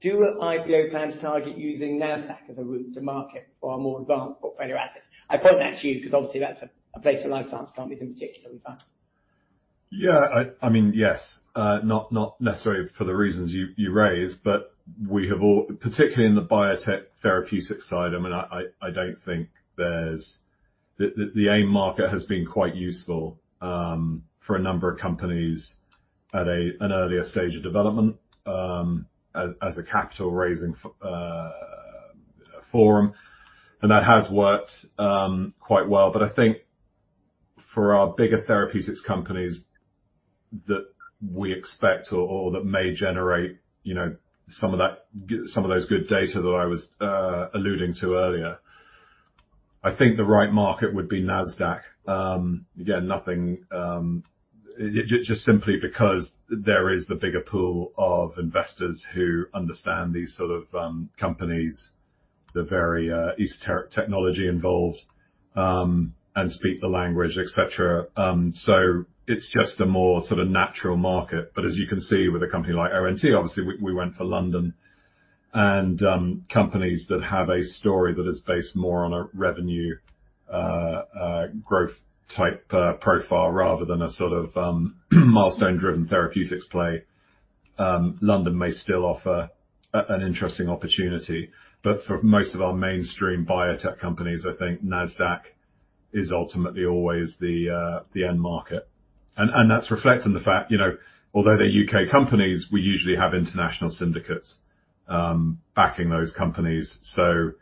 do IPO plans target using NASDAQ as a route to market for our more advanced portfolio assets? I point that to you because obviously, that's a place where life science companies in particular find. Yeah. I mean, yes. Not necessarily for the reasons you raise. But we have all, particularly in the biotech therapeutics side, I mean, I don't think there's the AIM market has been quite useful, for a number of companies at an earlier stage of development, as a capital-raising forum. And that has worked quite well. But I think for our bigger therapeutics companies that we expect or that may generate, you know, some of those good data that I was alluding to earlier, I think the right market would be NASDAQ. Again, nothing just simply because there is the bigger pool of investors who understand these sort of companies, the very esoteric technology involved, and speak the language, etc. So it's just a more sort of natural market. But as you can see with a company like ONT, obviously, we went for London. Companies that have a story that is based more on a revenue growth type profile rather than a sort of milestone-driven therapeutics play, London may still offer an interesting opportunity. But for most of our mainstream biotech companies, I think NASDAQ is ultimately always the end market. And that's reflected in the fact, you know, although they're UK companies, we usually have international syndicates backing those companies. So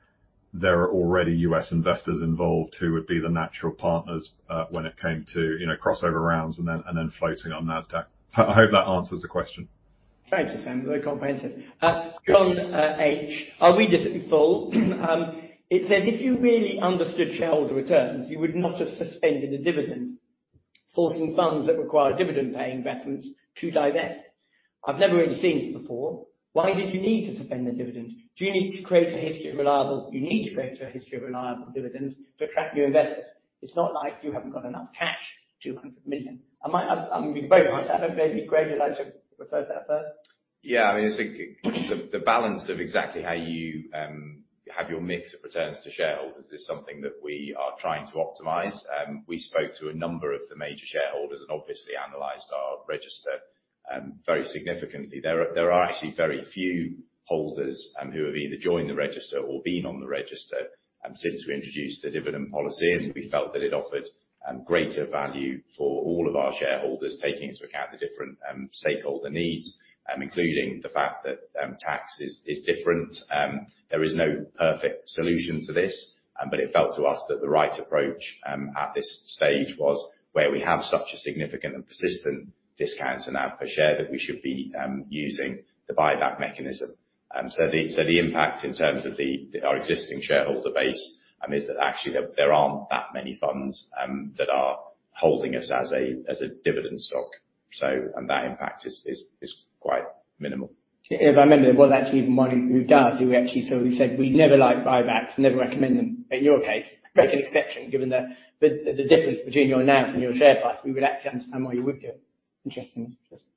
there are already US investors involved who would be the natural partners when it came to, you know, crossover rounds and then floating on NASDAQ. I hope that answers the question. Thank you, Sam. Very comprehensive. John, how are we different? Paul, it says, "If you really understood shareholder returns, you would not have suspended the dividend, forcing funds that require dividend-paying investments to divest." I've never really seen this before. Why did you need to suspend the dividend? Do you need to create a history of reliable dividends to attract new investors? It's not like you haven't got enough cash, 200 million. I'm using both parts of that. Maybe, Greg, would you like to refer to that first? Yeah. I mean, it's the balance of exactly how you have your mix of returns to shareholders. This is something that we are trying to optimize. We spoke to a number of the major shareholders and obviously analyzed our register very significantly. There are actually very few holders who have either joined the register or been on the register since we introduced the dividend policy. And we felt that it offered greater value for all of our shareholders, taking into account the different stakeholder needs, including the fact that tax is different. There is no perfect solution to this. But it felt to us that the right approach at this stage was where we have such a significant and persistent discount to NAV per share that we should be using the buyback mechanism. So the impact in terms of our existing shareholder base is that actually there aren't that many funds that are holding us as a dividend stock. And that impact is quite minimal. If I remember it, it was actually even one who does. Who actually so he said, "We never like buybacks. Never recommend them," in your case, make an exception given the difference between your NAV and your share price. We would actually understand why you would do it. Interesting. Interesting.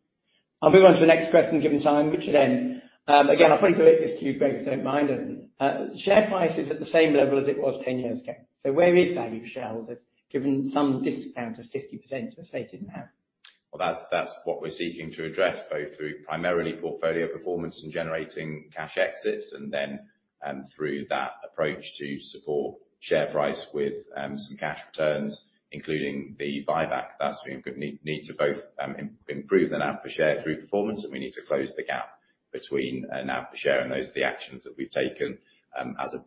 I'll move on to the next question given time. Richard N. again, I'll probably do it just so you, Greg, don't mind. Share price is at the same level as it was 10 years ago. So where is value for shareholders given some discount of 50% as stated now? Well, that's what we're seeking to address both through primarily portfolio performance and generating cash exits and then through that approach to support share price with some cash returns, including the buyback. That's a good need to both improve the NAV per share through performance. And we need to close the gap between NAV per share. And those are the actions that we've taken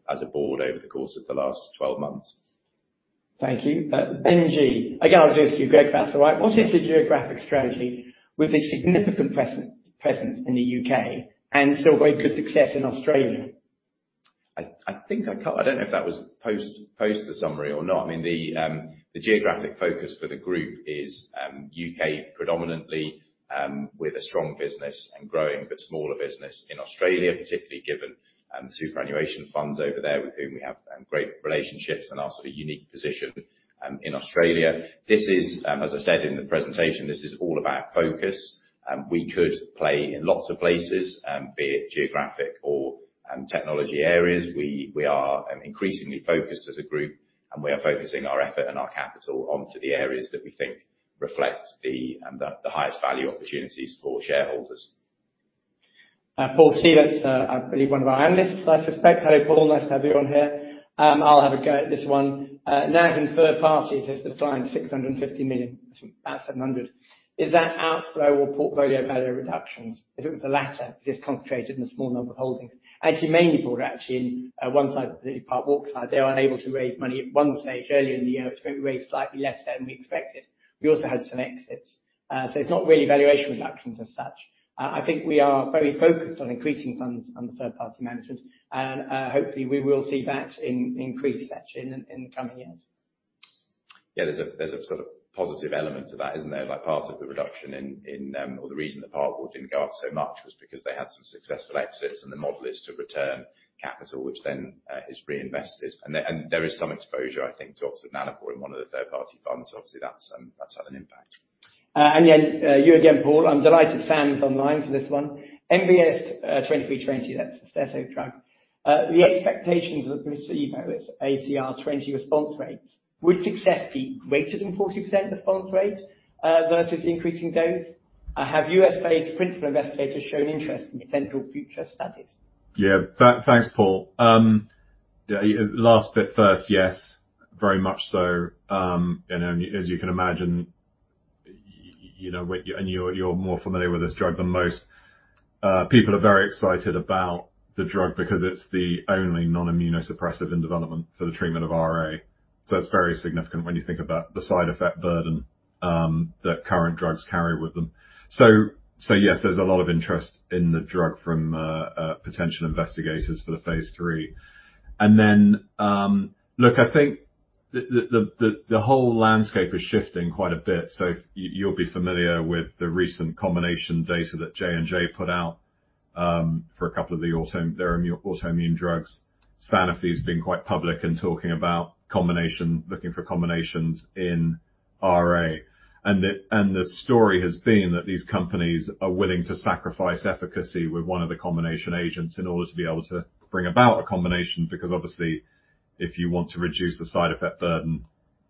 as a board over the course of the last 12 months. Thank you. M&G, again, I'll do this to you, Greg, if that's all right. What is the geographic strategy with the significant presence, presence in the UK and still very good success in Australia? I think I don't know if that was post the summary or not. I mean, the geographic focus for the group is U.K. predominantly, with a strong business and growing but smaller business in Australia, particularly given superannuation funds over there with whom we have great relationships and our sort of unique position in Australia. This is, as I said in the presentation, this is all about focus. We could play in lots of places, be it geographic or technology areas. We are increasingly focused as a group. And we are focusing our effort and our capital onto the areas that we think reflect the highest value opportunities for shareholders. Paul Stevens, I believe one of our analysts, I suspect. Hello, Paul. Nice to have you on here. I'll have a go at this one. NAV in third parties has declined 650 million. That's about 700. Is that outflow or portfolio value reductions? If it was the latter, is this concentrated in a small number of holdings? Actually, mainly, Paul, actually in one side, particularly Parkwalk side, they were unable to raise money at one stage earlier in the year, which meant we raised slightly less than we expected. We also had some exits. So it's not really valuation reductions as such. I think we are very focused on increasing funds under third-party management. And, hopefully, we will see that increase actually in the coming years. Yeah. There's a sort of positive element to that, isn't there? Like, part of the reduction in, or the reason the Parkwalk didn't go up so much was because they had some successful exits. And the model is to return capital, which then is reinvested. And there is some exposure, I think, to Oxford Nanopore in one of the third-party funds. Obviously, that's had an impact. Then, to you again, Paul. I'm delighted Sam's online for this one. MBS2320, that's the therapeutic. The expectations of the placebo, it's ACR20 response rates. Would success be greater than 40% response rate versus increasing dose? Have U.S.-based principal investigators shown interest in potential future studies? Yeah. Thanks, Paul. Yeah, last bit first. Yes, very much so. You know, and as you can imagine, you know, when you, you're more familiar with this drug than most, people are very excited about the drug because it's the only non-immunosuppressive in development for the treatment of RA. So it's very significant when you think about the side effect burden that current drugs carry with them. So yes, there's a lot of interest in the drug from potential investigators for the Phase 3. And then, look, I think the whole landscape is shifting quite a bit. So you'll be familiar with the recent combination data that J.&J. put out for a couple of the autoimmune drugs. Sanofi's been quite public in talking about combination looking for combinations in RA. The story has been that these companies are willing to sacrifice efficacy with one of the combination agents in order to be able to bring about a combination because obviously, if you want to reduce the side effect burden,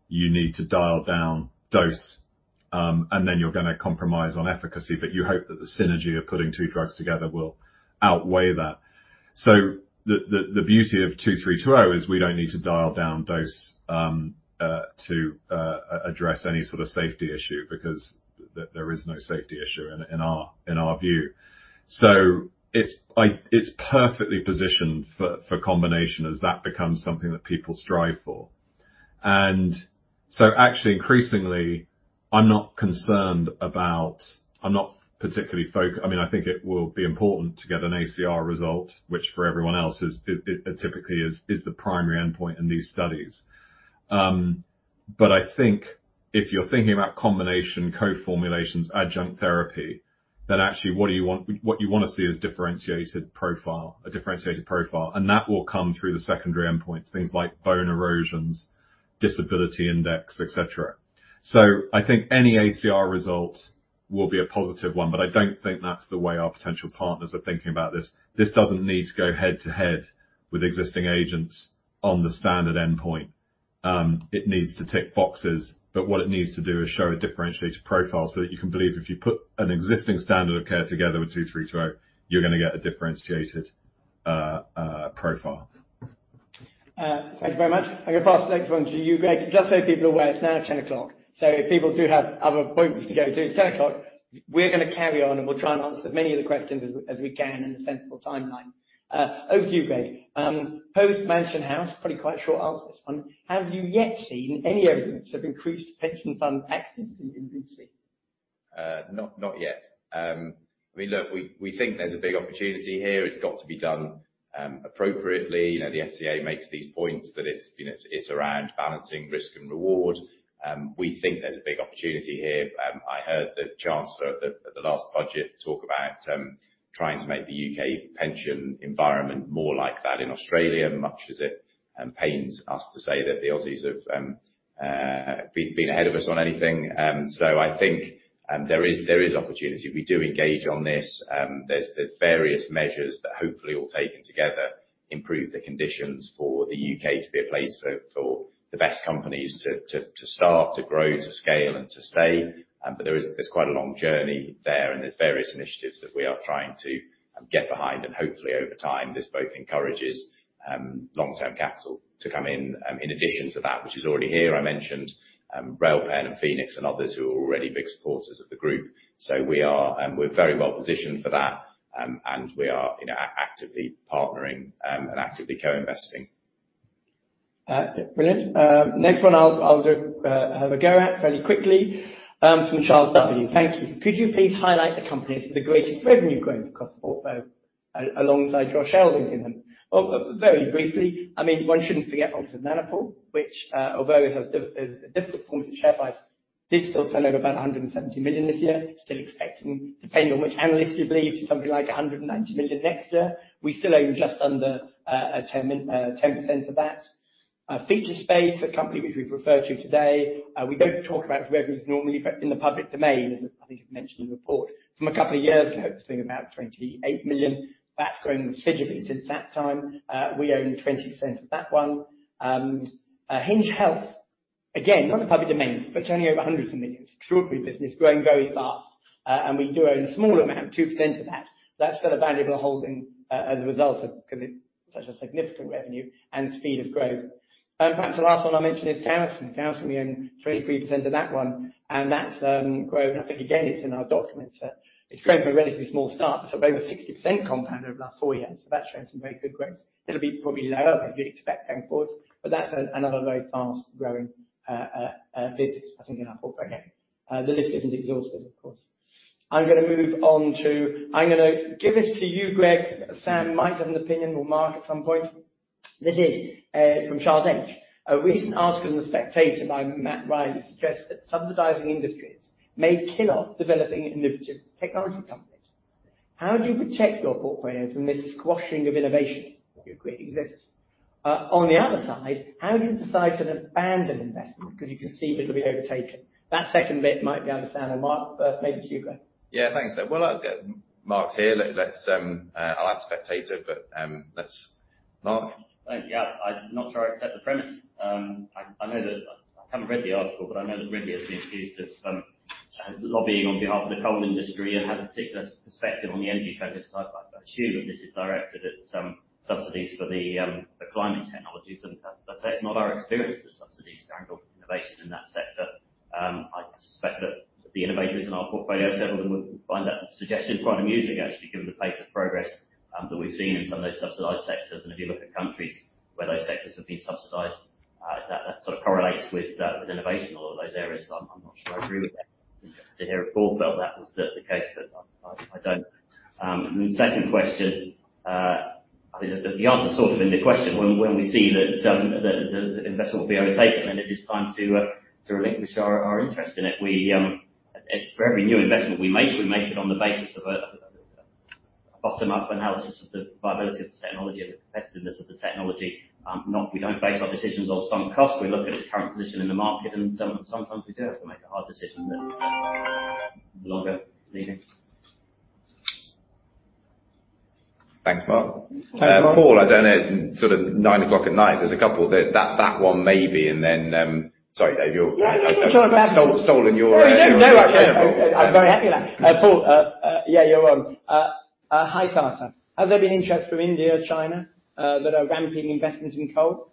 you need to dial down dose, and then you're going to compromise on efficacy. But you hope that the synergy of putting two drugs together will outweigh that. So the beauty of 2320 is we don't need to dial down dose to address any sort of safety issue because there is no safety issue in our view. So it's perfectly positioned for combination as that becomes something that people strive for. And so actually, increasingly, I'm not concerned about. I'm not particularly focused. I mean, I think it will be important to get an ACR result, which for everyone else is, it typically is, the primary endpoint in these studies. But I think if you're thinking about combination, coformulations, adjunct therapy, then actually, what you want to see is differentiated profile, a differentiated profile. And that will come through the secondary endpoints, things like bone erosions, disability index, etc. So I think any ACR result will be a positive one. But I don't think that's the way our potential partners are thinking about this. This doesn't need to go head to head with existing agents on the standard endpoint. It needs to tick boxes. But what it needs to do is show a differentiated profile so that you can believe if you put an existing standard of care together with 2320, you're going to get a differentiated profile. Thank you very much. I'm going to pass the next one to you, Greg. Just so people are aware, it's now 10:00 A.M. So if people do have other appointments to go to, it's 10:00 A.M. We're going to carry on. We'll try and answer as many of the questions as we can in a sensible timeline. Over to you, Greg. Post-Mansion House, pretty quite short answer to this one. Have you yet seen any evidence of increased pension fund access in BC? Not yet. I mean, look, we think there's a big opportunity here. It's got to be done appropriately. You know, the FCA makes these points that it's, you know, it's around balancing risk and reward. We think there's a big opportunity here. I heard the chancellor at the last budget talk about trying to make the U.K. pension environment more like that in Australia, much as it pains us to say that the Aussies have been ahead of us on anything. So I think there is opportunity. We do engage on this. There's various measures that hopefully all taken together improve the conditions for the U.K. to be a place for the best companies to start, to grow, to scale, and to stay. But there is, there's quite a long journey there. And there's various initiatives that we are trying to get behind. And hopefully, over time, this both encourages long-term capital to come in, in addition to that, which is already here. I mentioned Railpen and Phoenix and others who are already big supporters of the group. So we're very well positioned for that. And we are, you know, actively partnering and actively co-investing. Brilliant. Next one, I'll have a go at fairly quickly, from Charles W. Thank you. Could you please highlight the companies with the greatest revenue growth across the portfolio alongside your shareholding in them? Well, very briefly, I mean, one shouldn't forget Oxford Nanopore, which, although it has a difficult performance at share price, did still turn over about 170 million this year, still expecting depending on which analyst you believe to something like 190 million next year. We still own just under 10%, 10% of that. Featurespace, a company which we've referred to today. We don't talk about its revenues normally but in the public domain, as I think you've mentioned in the report. From a couple of years ago, it was doing about 28 million. That's grown considerably since that time. We own 20% of that one. Hinge Health, again, not in the public domain but turning over $ hundreds of millions. Extraordinary business, growing very fast. And we do own a small amount, 2% of that. That's still a valuable holding, as a result of because it's such a significant revenue and speed of growth. Perhaps the last one I'll mention is Garrison. Garrison, we own 23% of that one. And that's, growing I think, again, it's in our documents. It's growing from a relatively small start but sort of over 60% compound over the last four years. So that's showing some very good growth. It'll be probably lower as you expect going forward. But that's another very fast-growing, business, I think, in our portfolio. The list isn't exhaustive, of course. I'm going to move on to I'm going to give this to you, Greg. Sam might have an opinion. We'll mark at some point. This is from Charles Roach. A recent article in The Spectator by Mark Reilly suggests that subsidizing industries may kill off developing innovative technology companies. How do you protect your portfolio from this squashing of innovation that you agree exists? On the other side, how do you decide to abandon investment because you can see it'll be overtaken? That second bit might be understandable. Mark, first, maybe to you, Greg. Yeah. Thanks, Dave. Well, I'll get Mark here. Let's, I'll add The Spectator. But, let's Mark. Thank you. Yeah. I'm not sure I accept the premise. I know that I haven't read the article. But I know that Ridley has been accused of lobbying on behalf of the coal industry and has a particular perspective on the energy transition. So I assume that this is directed at subsidies for climate technologies. And that's, it's not our experience with subsidies to engender innovation in that sector. I suspect that the innovators in our portfolio, several of them, would find that suggestion quite amusing, actually, given the pace of progress that we've seen in some of those subsidized sectors. And if you look at countries where those sectors have been subsidized, that sort of correlates with innovation in all of those areas. So I'm not sure I agree with that. I'm just to hear if Paul felt that was the case. But I don't. And then, second question. I think the answer's sort of in the question. When we see that the investment will be overtaken, then it is time to relinquish our interest in it. For every new investment we make, we make it on the basis of a bottom-up analysis of the viability of the technology and the competitiveness of the technology. No, we don't base our decisions on sunk cost. We look at its current position in the market. And sometimes, we do have to make a hard decision that no longer leading. Thanks, Mark. Thanks, Mark. Paul, I don't know. It's sort of 9:00 P.M. There's a couple that one maybe. And then, sorry, Dave, you're yeah. I don't know. No, no, no. You're talking about. Stole, stolen your, your. No, no, no. Actually, I'm very happy with that. Paul, yeah, you're on. Hysata. Has there been interest from India, China, that are ramping investments in coal?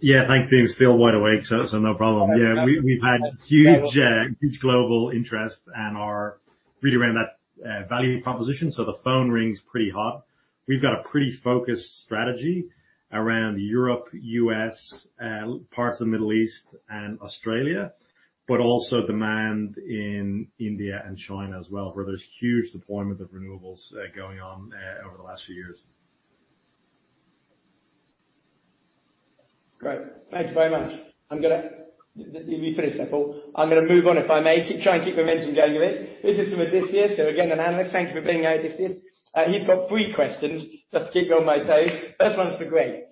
Yeah. Thanks, Dean. We're still wide awake. So, so no problem. Yeah. We, we've had huge, huge global interest and are really around that, value proposition. So the phone rings pretty hot. We've got a pretty focused strategy around Europe, U.S., parts of the Middle East, and Australia, but also demand in India and China as well, where there's huge deployment of renewables, going on, over the last few years. Great. Thanks very much. Let me finish that, Paul. I'm going to move on, if I may, keep trying to keep momentum going a bit. This is from Odysseas. So again, an analyst. Thank you for being here, Odysseas. He's got three questions just to keep you on my toes. First one's for Greg.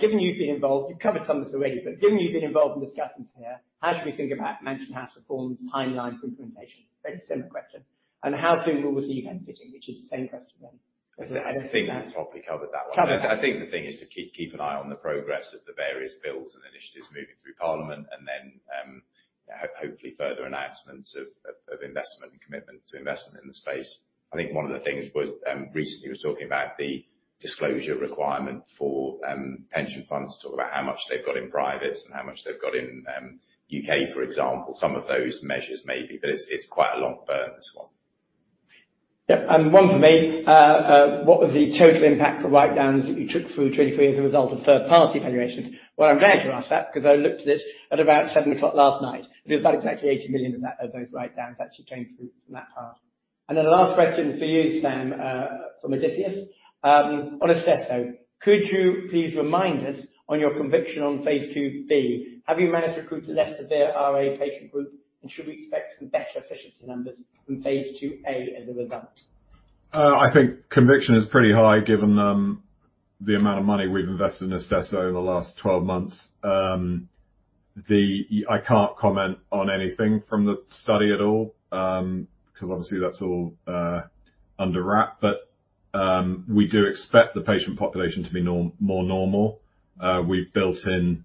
Given you've been involved you've covered some of this already. But given you've been involved in discussions here, how should we think about Mansion House reforms' timeline for implementation? Very similar question. How soon will we see you get an uplift, which is the same question, really. I think I think we've probably covered that one. I think I think the thing is to keep, keep an eye on the progress of the various bills and initiatives moving through Parliament and then, you know, hopefully, further announcements of, of, of investment and commitment to investment in the space. I think one of the things was, recently was talking about the disclosure requirement for, pension funds to talk about how much they've got in private and how much they've got in, UK, for example, some of those measures maybe. But it's, it's quite a long burn, this one. Yep. And one for me. What was the total impact for write-downs that you took through 2023 as a result of third-party valuations? Well, I'm glad you asked that because I looked at this at about 7:00 P.M. last night. It was about exactly 80 million of that of those write-downs actually came through from that part. And then the last question for you, Sam, from Odysseas. On Istesso, could you please remind us on your conviction on phase 2B, have you managed to recruit the less severe RA patient group? And should we expect some better efficiency numbers from phase 2A as a result? I think conviction is pretty high given the amount of money we've invested in Istesso in the last 12 months. I can't comment on anything from the study at all, because obviously, that's all under wraps. But we do expect the patient population to be more normal. We've built in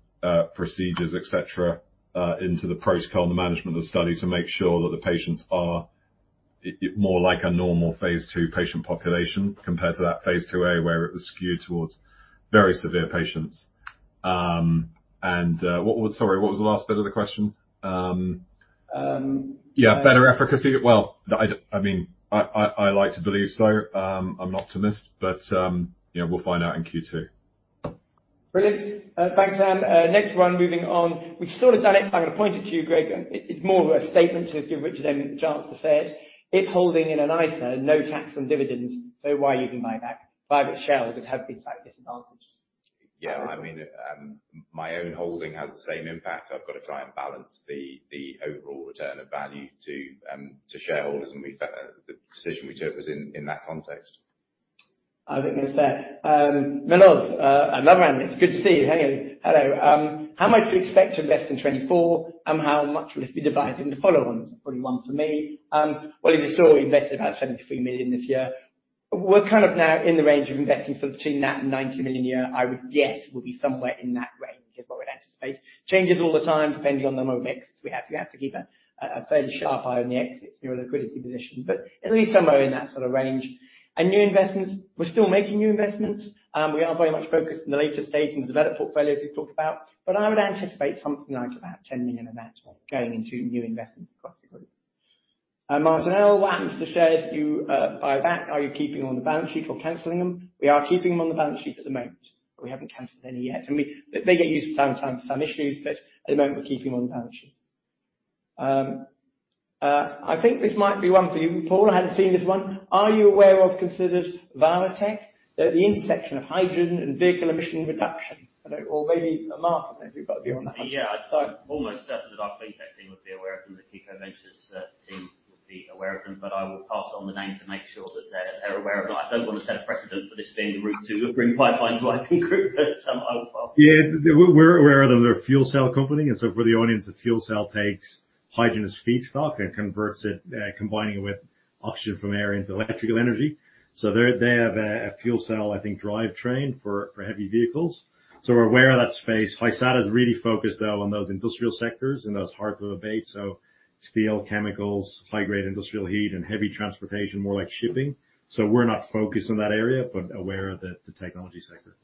procedures, etc., into the protocol and the management of the study to make sure that the patients are more like a normal phase two patient population compared to that phase 2A where it was skewed towards very severe patients. And what was sorry, what was the last bit of the question? Yeah. Better efficacy. Well, I mean, I, I, I like to believe so. I'm an optimist. But you know, we'll find out in Q2. Brilliant. Thanks, Sam. Next one, moving on. We've sort of done it. I'm going to point it to you, Greg. And it's more of a statement to give Richard M. the chance to say it. If holding in an ISA, no tax on dividends, so why using buyback? Private shareholders have been slightly disadvantaged. Yeah. I mean, my own holding has the same impact. I've got to try and balance the overall return of value to shareholders. And we felt the decision we took was in that context. I think that's fair. Milos, another analyst. Good to see you. Hang on. Hello. How much do you expect to invest in 2024? And how much will this be divided into the following ones? Probably one for me. Well, we also invested about 73 million this year. We're kind of now in the range of investing for between that and 90 million a year. I would guess we'll be somewhere in that range is what we'd anticipate. Changes all the time depending on the movements we have. You have to keep a fairly sharp eye on the exits. Your liquidity position. But at least somewhere in that sort of range. And new investments. We're still making new investments. We are very much focused in the later stage in the developed portfolios we've talked about. But I would anticipate something like about 10 million of that going into new investments across the group. Martina, what happens to the shares that you buy back? Are you keeping them on the balance sheet or cancelling them? We are keeping them on the balance sheet at the moment. But we haven't cancelled any yet. And they get used for some issues. But at the moment, we're keeping them on the balance sheet. I think this might be one for you, Paul. I hadn't seen this one. Are you aware of considered Viritech, the intersection of hydrogen and vehicle emission reduction? I don't or maybe Mark, I don't know if you've got a view on that one. Yeah. I'd almost certain that our cleantech team would be aware of them. The Kiko Ventures team would be aware of them. But I will pass on the name to make sure that they're aware of them. I don't want to set a precedent for this being the route to a green pipeline to IP Group. But I will pass it on. Yeah. We're aware of them. They're a fuel cell company. And so for the audience, a fuel cell takes hydrogen as feedstock and converts it, combining it with oxygen from air into electrical energy. So they have a fuel cell, I think, drivetrain for heavy vehicles. So we're aware of that space. Hysata's really focused, though, on those industrial sectors and those hard-to-abate. So steel, chemicals, high-grade industrial heat, and heavy transportation, more like shipping. So we're not focused on that area but aware of the technology sector.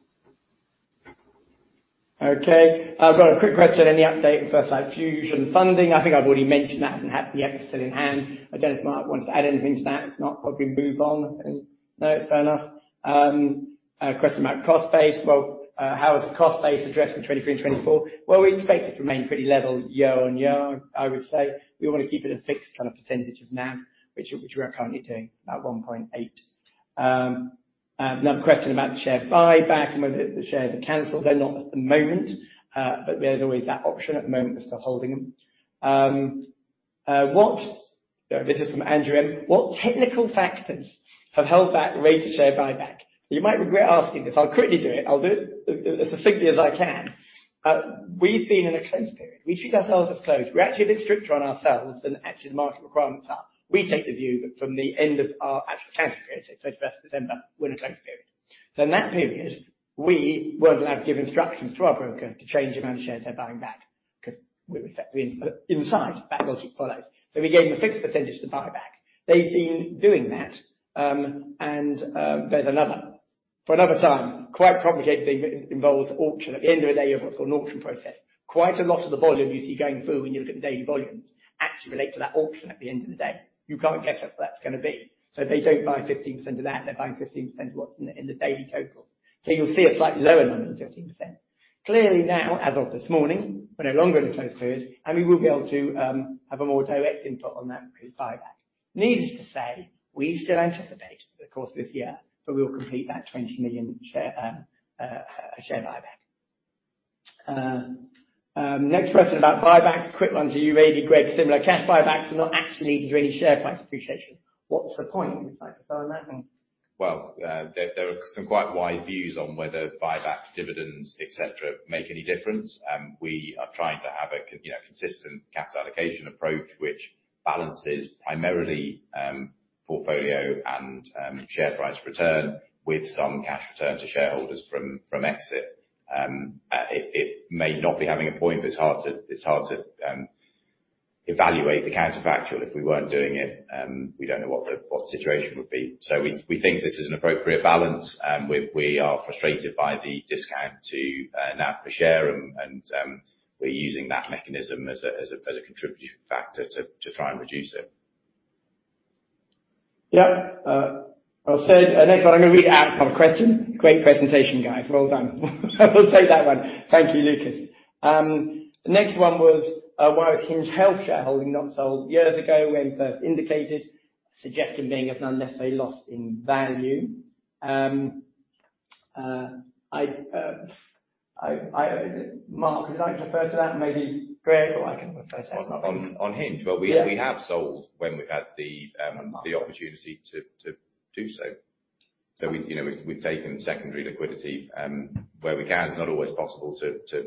Okay. I've got a quick question. Any update in the first line Fusion funding. I think I've already mentioned that. It hasn't happened yet. It's still in hand. I don't know if Mark wants to add anything to that. If not, we'll probably move on. No, fair enough. Question about cost base. Well, how is the cost base addressed in 2023 and 2024? Well, we expect it to remain pretty level year on year, I would say. We want to keep it a fixed kind of percentage of NAV, which, which we are currently doing, about 1.8%. Another question about the share buyback and whether the shares are cancelled. They're not at the moment. But there's always that option. At the moment, we're still holding them. What this is from Andrew M. What technical factors have held back rate-to-share buyback? You might regret asking this. I'll quickly do it. I'll do it as succinctly as I can. We've been in a closed period. We treat ourselves as closed. We're actually a bit stricter on ourselves than actually the market requirements are. We take the view that from the end of our actual accounting period, say 21st of December, we're in a closed period. So in that period, we weren't allowed to give instructions to our broker to change the amount of shares they're buying back because we're effectively inside. That logic follows. So we gave them a fixed percentage to buy back. They've been doing that. And there's another for another time, quite complicated thing that involves auction. At the end of a day, you have what's called an auction process. Quite a lot of the volume you see going through when you look at the daily volumes actually relate to that auction at the end of the day. You can't guess what that's going to be. So they don't buy 15% of that. They're buying 15% of what's in the daily totals. So you'll see a slightly lower number than 15%. Clearly now, as of this morning, we're no longer in a closed period. And we will be able to have a more direct input on that because buyback needless to say, we still anticipate over the course of this year that we will complete that 20 million share, a share buyback. Next question about buybacks. Quick one to you, Dave, Greg. Similar. Cash buybacks are not actually leading to any share price appreciation. What's the point? We've tried to fill in that one. Well, there are some quite wide views on whether buybacks, dividends, etc., make any difference. We are trying to have a, you know, consistent capital allocation approach which balances primarily portfolio and share price return with some cash return to shareholders from exit. It may not be having a point. But it's hard to evaluate the counterfactual. If we weren't doing it, we don't know what the situation would be. So we think this is an appropriate balance. We are frustrated by the discount to NAV per share. And we're using that mechanism as a contributing factor to try and reduce it. Yep. Well said. Next one. I'm going to read out from a question. Great presentation, guys. Well done. I will take that one. Thank you, Lucas. The next one was, why was Hinge Health shareholding not sold years ago when first indicated, suggesting being of non-necessary loss in value? I Mark, would you like to refer to that? Maybe Greg, or I can refer to that. On Hinge, well, we have sold when we've had the opportunity to do so. So we, you know, we've taken secondary liquidity, where we can. It's not always possible to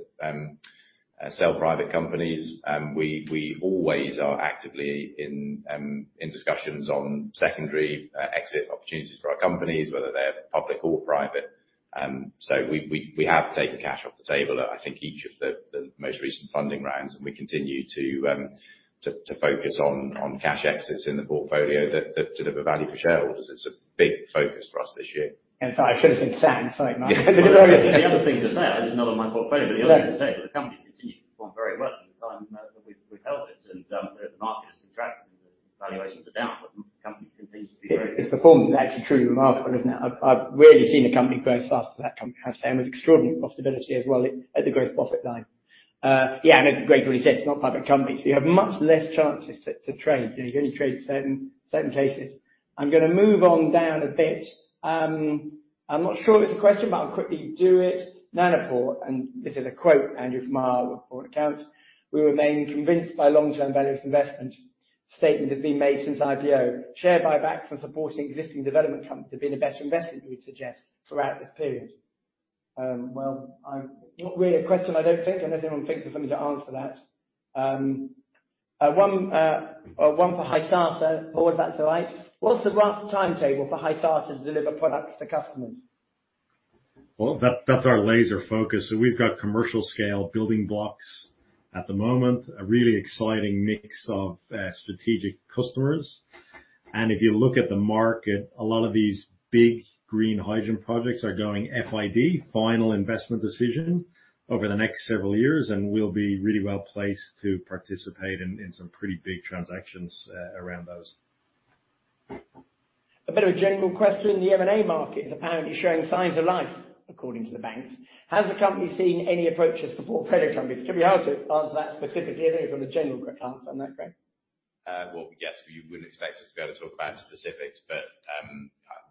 sell private companies. We always are actively in discussions on secondary exit opportunities for our companies, whether they're public or private. So we have taken cash off the table at, I think, each of the most recent funding rounds. And we continue to focus on cash exits in the portfolio that sort of have a value for shareholders. It's a big focus for us this year. And sorry, I should have said sat inside, Mark. The other thing to say I did not on my portfolio. But the other thing to say is that the company's continued to perform very well in the time that we've held it. The market has contracted and the valuations are down. But the company continues to be very. Its performance is actually truly remarkable, isn't it? I've really seen the company grow fast to that. I've seen it with extraordinary profitability as well at the growth profit line. Yeah. And as Greg's already said, it's not a private company. So you have much less chances to trade. You know, you only trade certain cases. I'm going to move on down a bit. I'm not sure it's a question. But I'll quickly do it. Oxford Nanopore and this is a quote, Andrew from our report accounts. We remain convinced by long-term value of investment," statement has been made since IPO. "Share buyback from supporting existing development companies have been a better investment, we would suggest, throughout this period." Well, that's not really a question, I don't think. I don't know if anyone thinks there's something to answer that. One, one for Hysata. Paul, is that all right? What's the rough timetable for Hysata to deliver products to customers? Well, that's our laser focus. So we've got commercial-scale building blocks at the moment, a really exciting mix of strategic customers. And if you look at the market, a lot of these big green hydrogen projects are going FID, final investment decision, over the next several years. And we'll be really well placed to participate in some pretty big transactions around those. A bit of a general question. The M&A market is apparently showing signs of life, according to the banks. Has the company seen any approaches to portfolio companies? It could be hard to answer that specifically, I think, from the general account. Isn't that correct? Well, yes. We wouldn't expect us to be able to talk about specifics. But,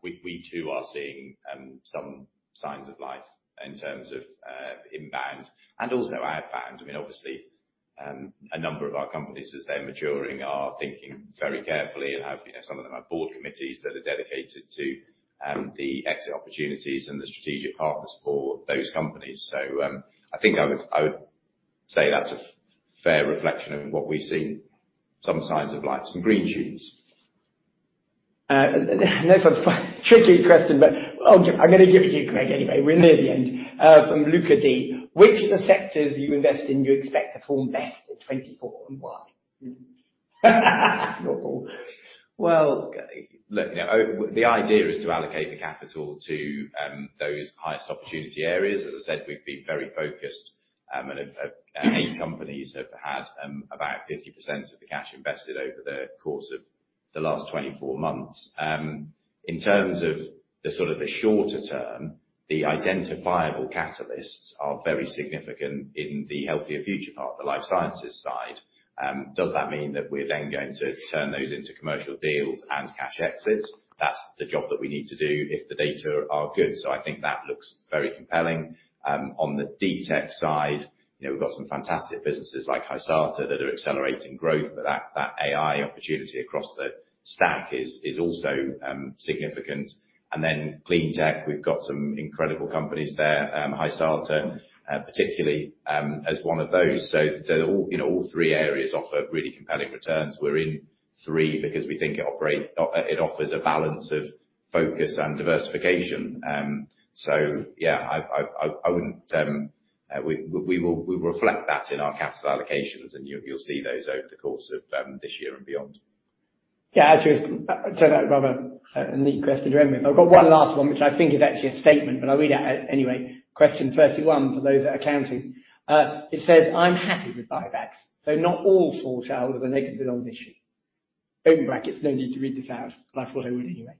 we, we too are seeing, some signs of life in terms of, inbound and also outbound. I mean, obviously, a number of our companies, as they're maturing, are thinking very carefully and have, you know, some of them have board committees that are dedicated to, the exit opportunities and the strategic partners for those companies. So, I think I would I would say that's a fair reflection of what we've seen, some signs of life, some green shoots. Next one. Tricky question. But I'm going to give it to you, Greg, anyway. We're near the end. From Luca D, which of the sectors you invest in do you expect to perform best in 2024 and why? Not Paul. Well, look, you know, the idea is to allocate the capital to those highest opportunity areas. As I said, we've been very focused. Eight companies have had about 50% of the cash invested over the course of the last 24 months. In terms of the sort of the shorter term, the identifiable catalysts are very significant in the Healthier Futures part, the life sciences side. Does that mean that we're then going to turn those into commercial deals and cash exits? That's the job that we need to do if the data are good. So I think that looks very compelling. On the deep tech side, you know, we've got some fantastic businesses like Hysata that are accelerating growth. But that, that AI opportunity across the stack is, is also significant. And then cleantech, we've got some incredible companies there, Hysata, particularly, as one of those. As you know, all three areas offer really compelling returns. We're in three because we think it operates it offers a balance of focus and diversification. Yeah. We will reflect that in our capital allocations. And you'll see those over the course of this year and beyond. Yeah. Actually, I've turned that rather a neat question to end with. I've got one last one, which I think is actually a statement. But I'll read it anyway. Question 31 for those at accounting. It says, "I'm happy with buybacks." So not all small shareholders are negative on this issue. Open brackets. No need to read this out. But I thought I would anyway.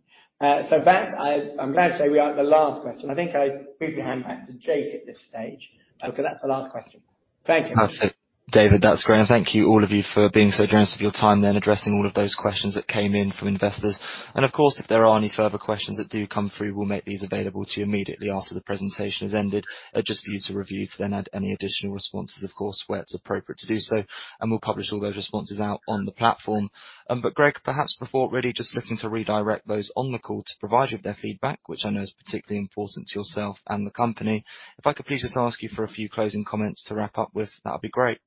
So that's—I'm glad to say we are at the last question. I think I'll move the hand back to Jake at this stage because that's the last question. Thank you. Perfect, David. That's great. And thank you, all of you, for being so generous of your time there and addressing all of those questions that came in from investors. And of course, if there are any further questions that do come through, we'll make these available to you immediately after the presentation has ended. Just for you to review to then add any additional responses, of course, where it's appropriate to do so. And we'll publish all those responses out on the platform. But, Greg, perhaps before really, just looking to redirect those on the call to provide you with their feedback, which I know is particularly important to yourself and the company. If I could please just ask you for a few closing comments to wrap up with, that would be great.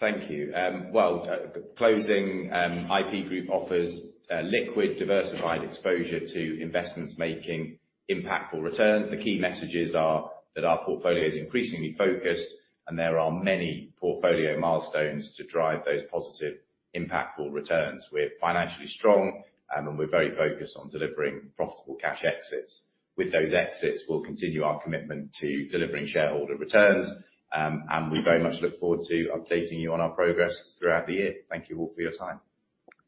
Thank you. Well, closing, IP Group offers liquid, diversified exposure to investments making impactful returns. The key messages are that our portfolio is increasingly focused. There are many portfolio milestones to drive those positive, impactful returns. We're financially strong and we're very focused on delivering profitable cash exits. With those exits, we'll continue our commitment to delivering shareholder returns and we very much look forward to updating you on our progress throughout the year. Thank you all for your time.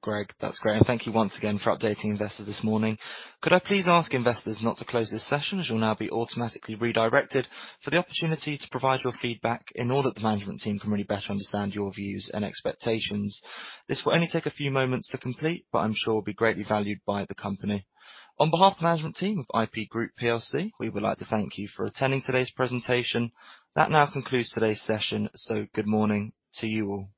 Greg, that's great. Thank you once again for updating investors this morning. Could I please ask investors not to close this session as you'll now be automatically redirected for the opportunity to provide your feedback in order that the management team can really better understand your views and expectations? This will only take a few moments to complete. I'm sure it will be greatly valued by the company. On behalf of the management team of IP Group plc, we would like to thank you for attending today's presentation. That now concludes today's session. Good morning to you all.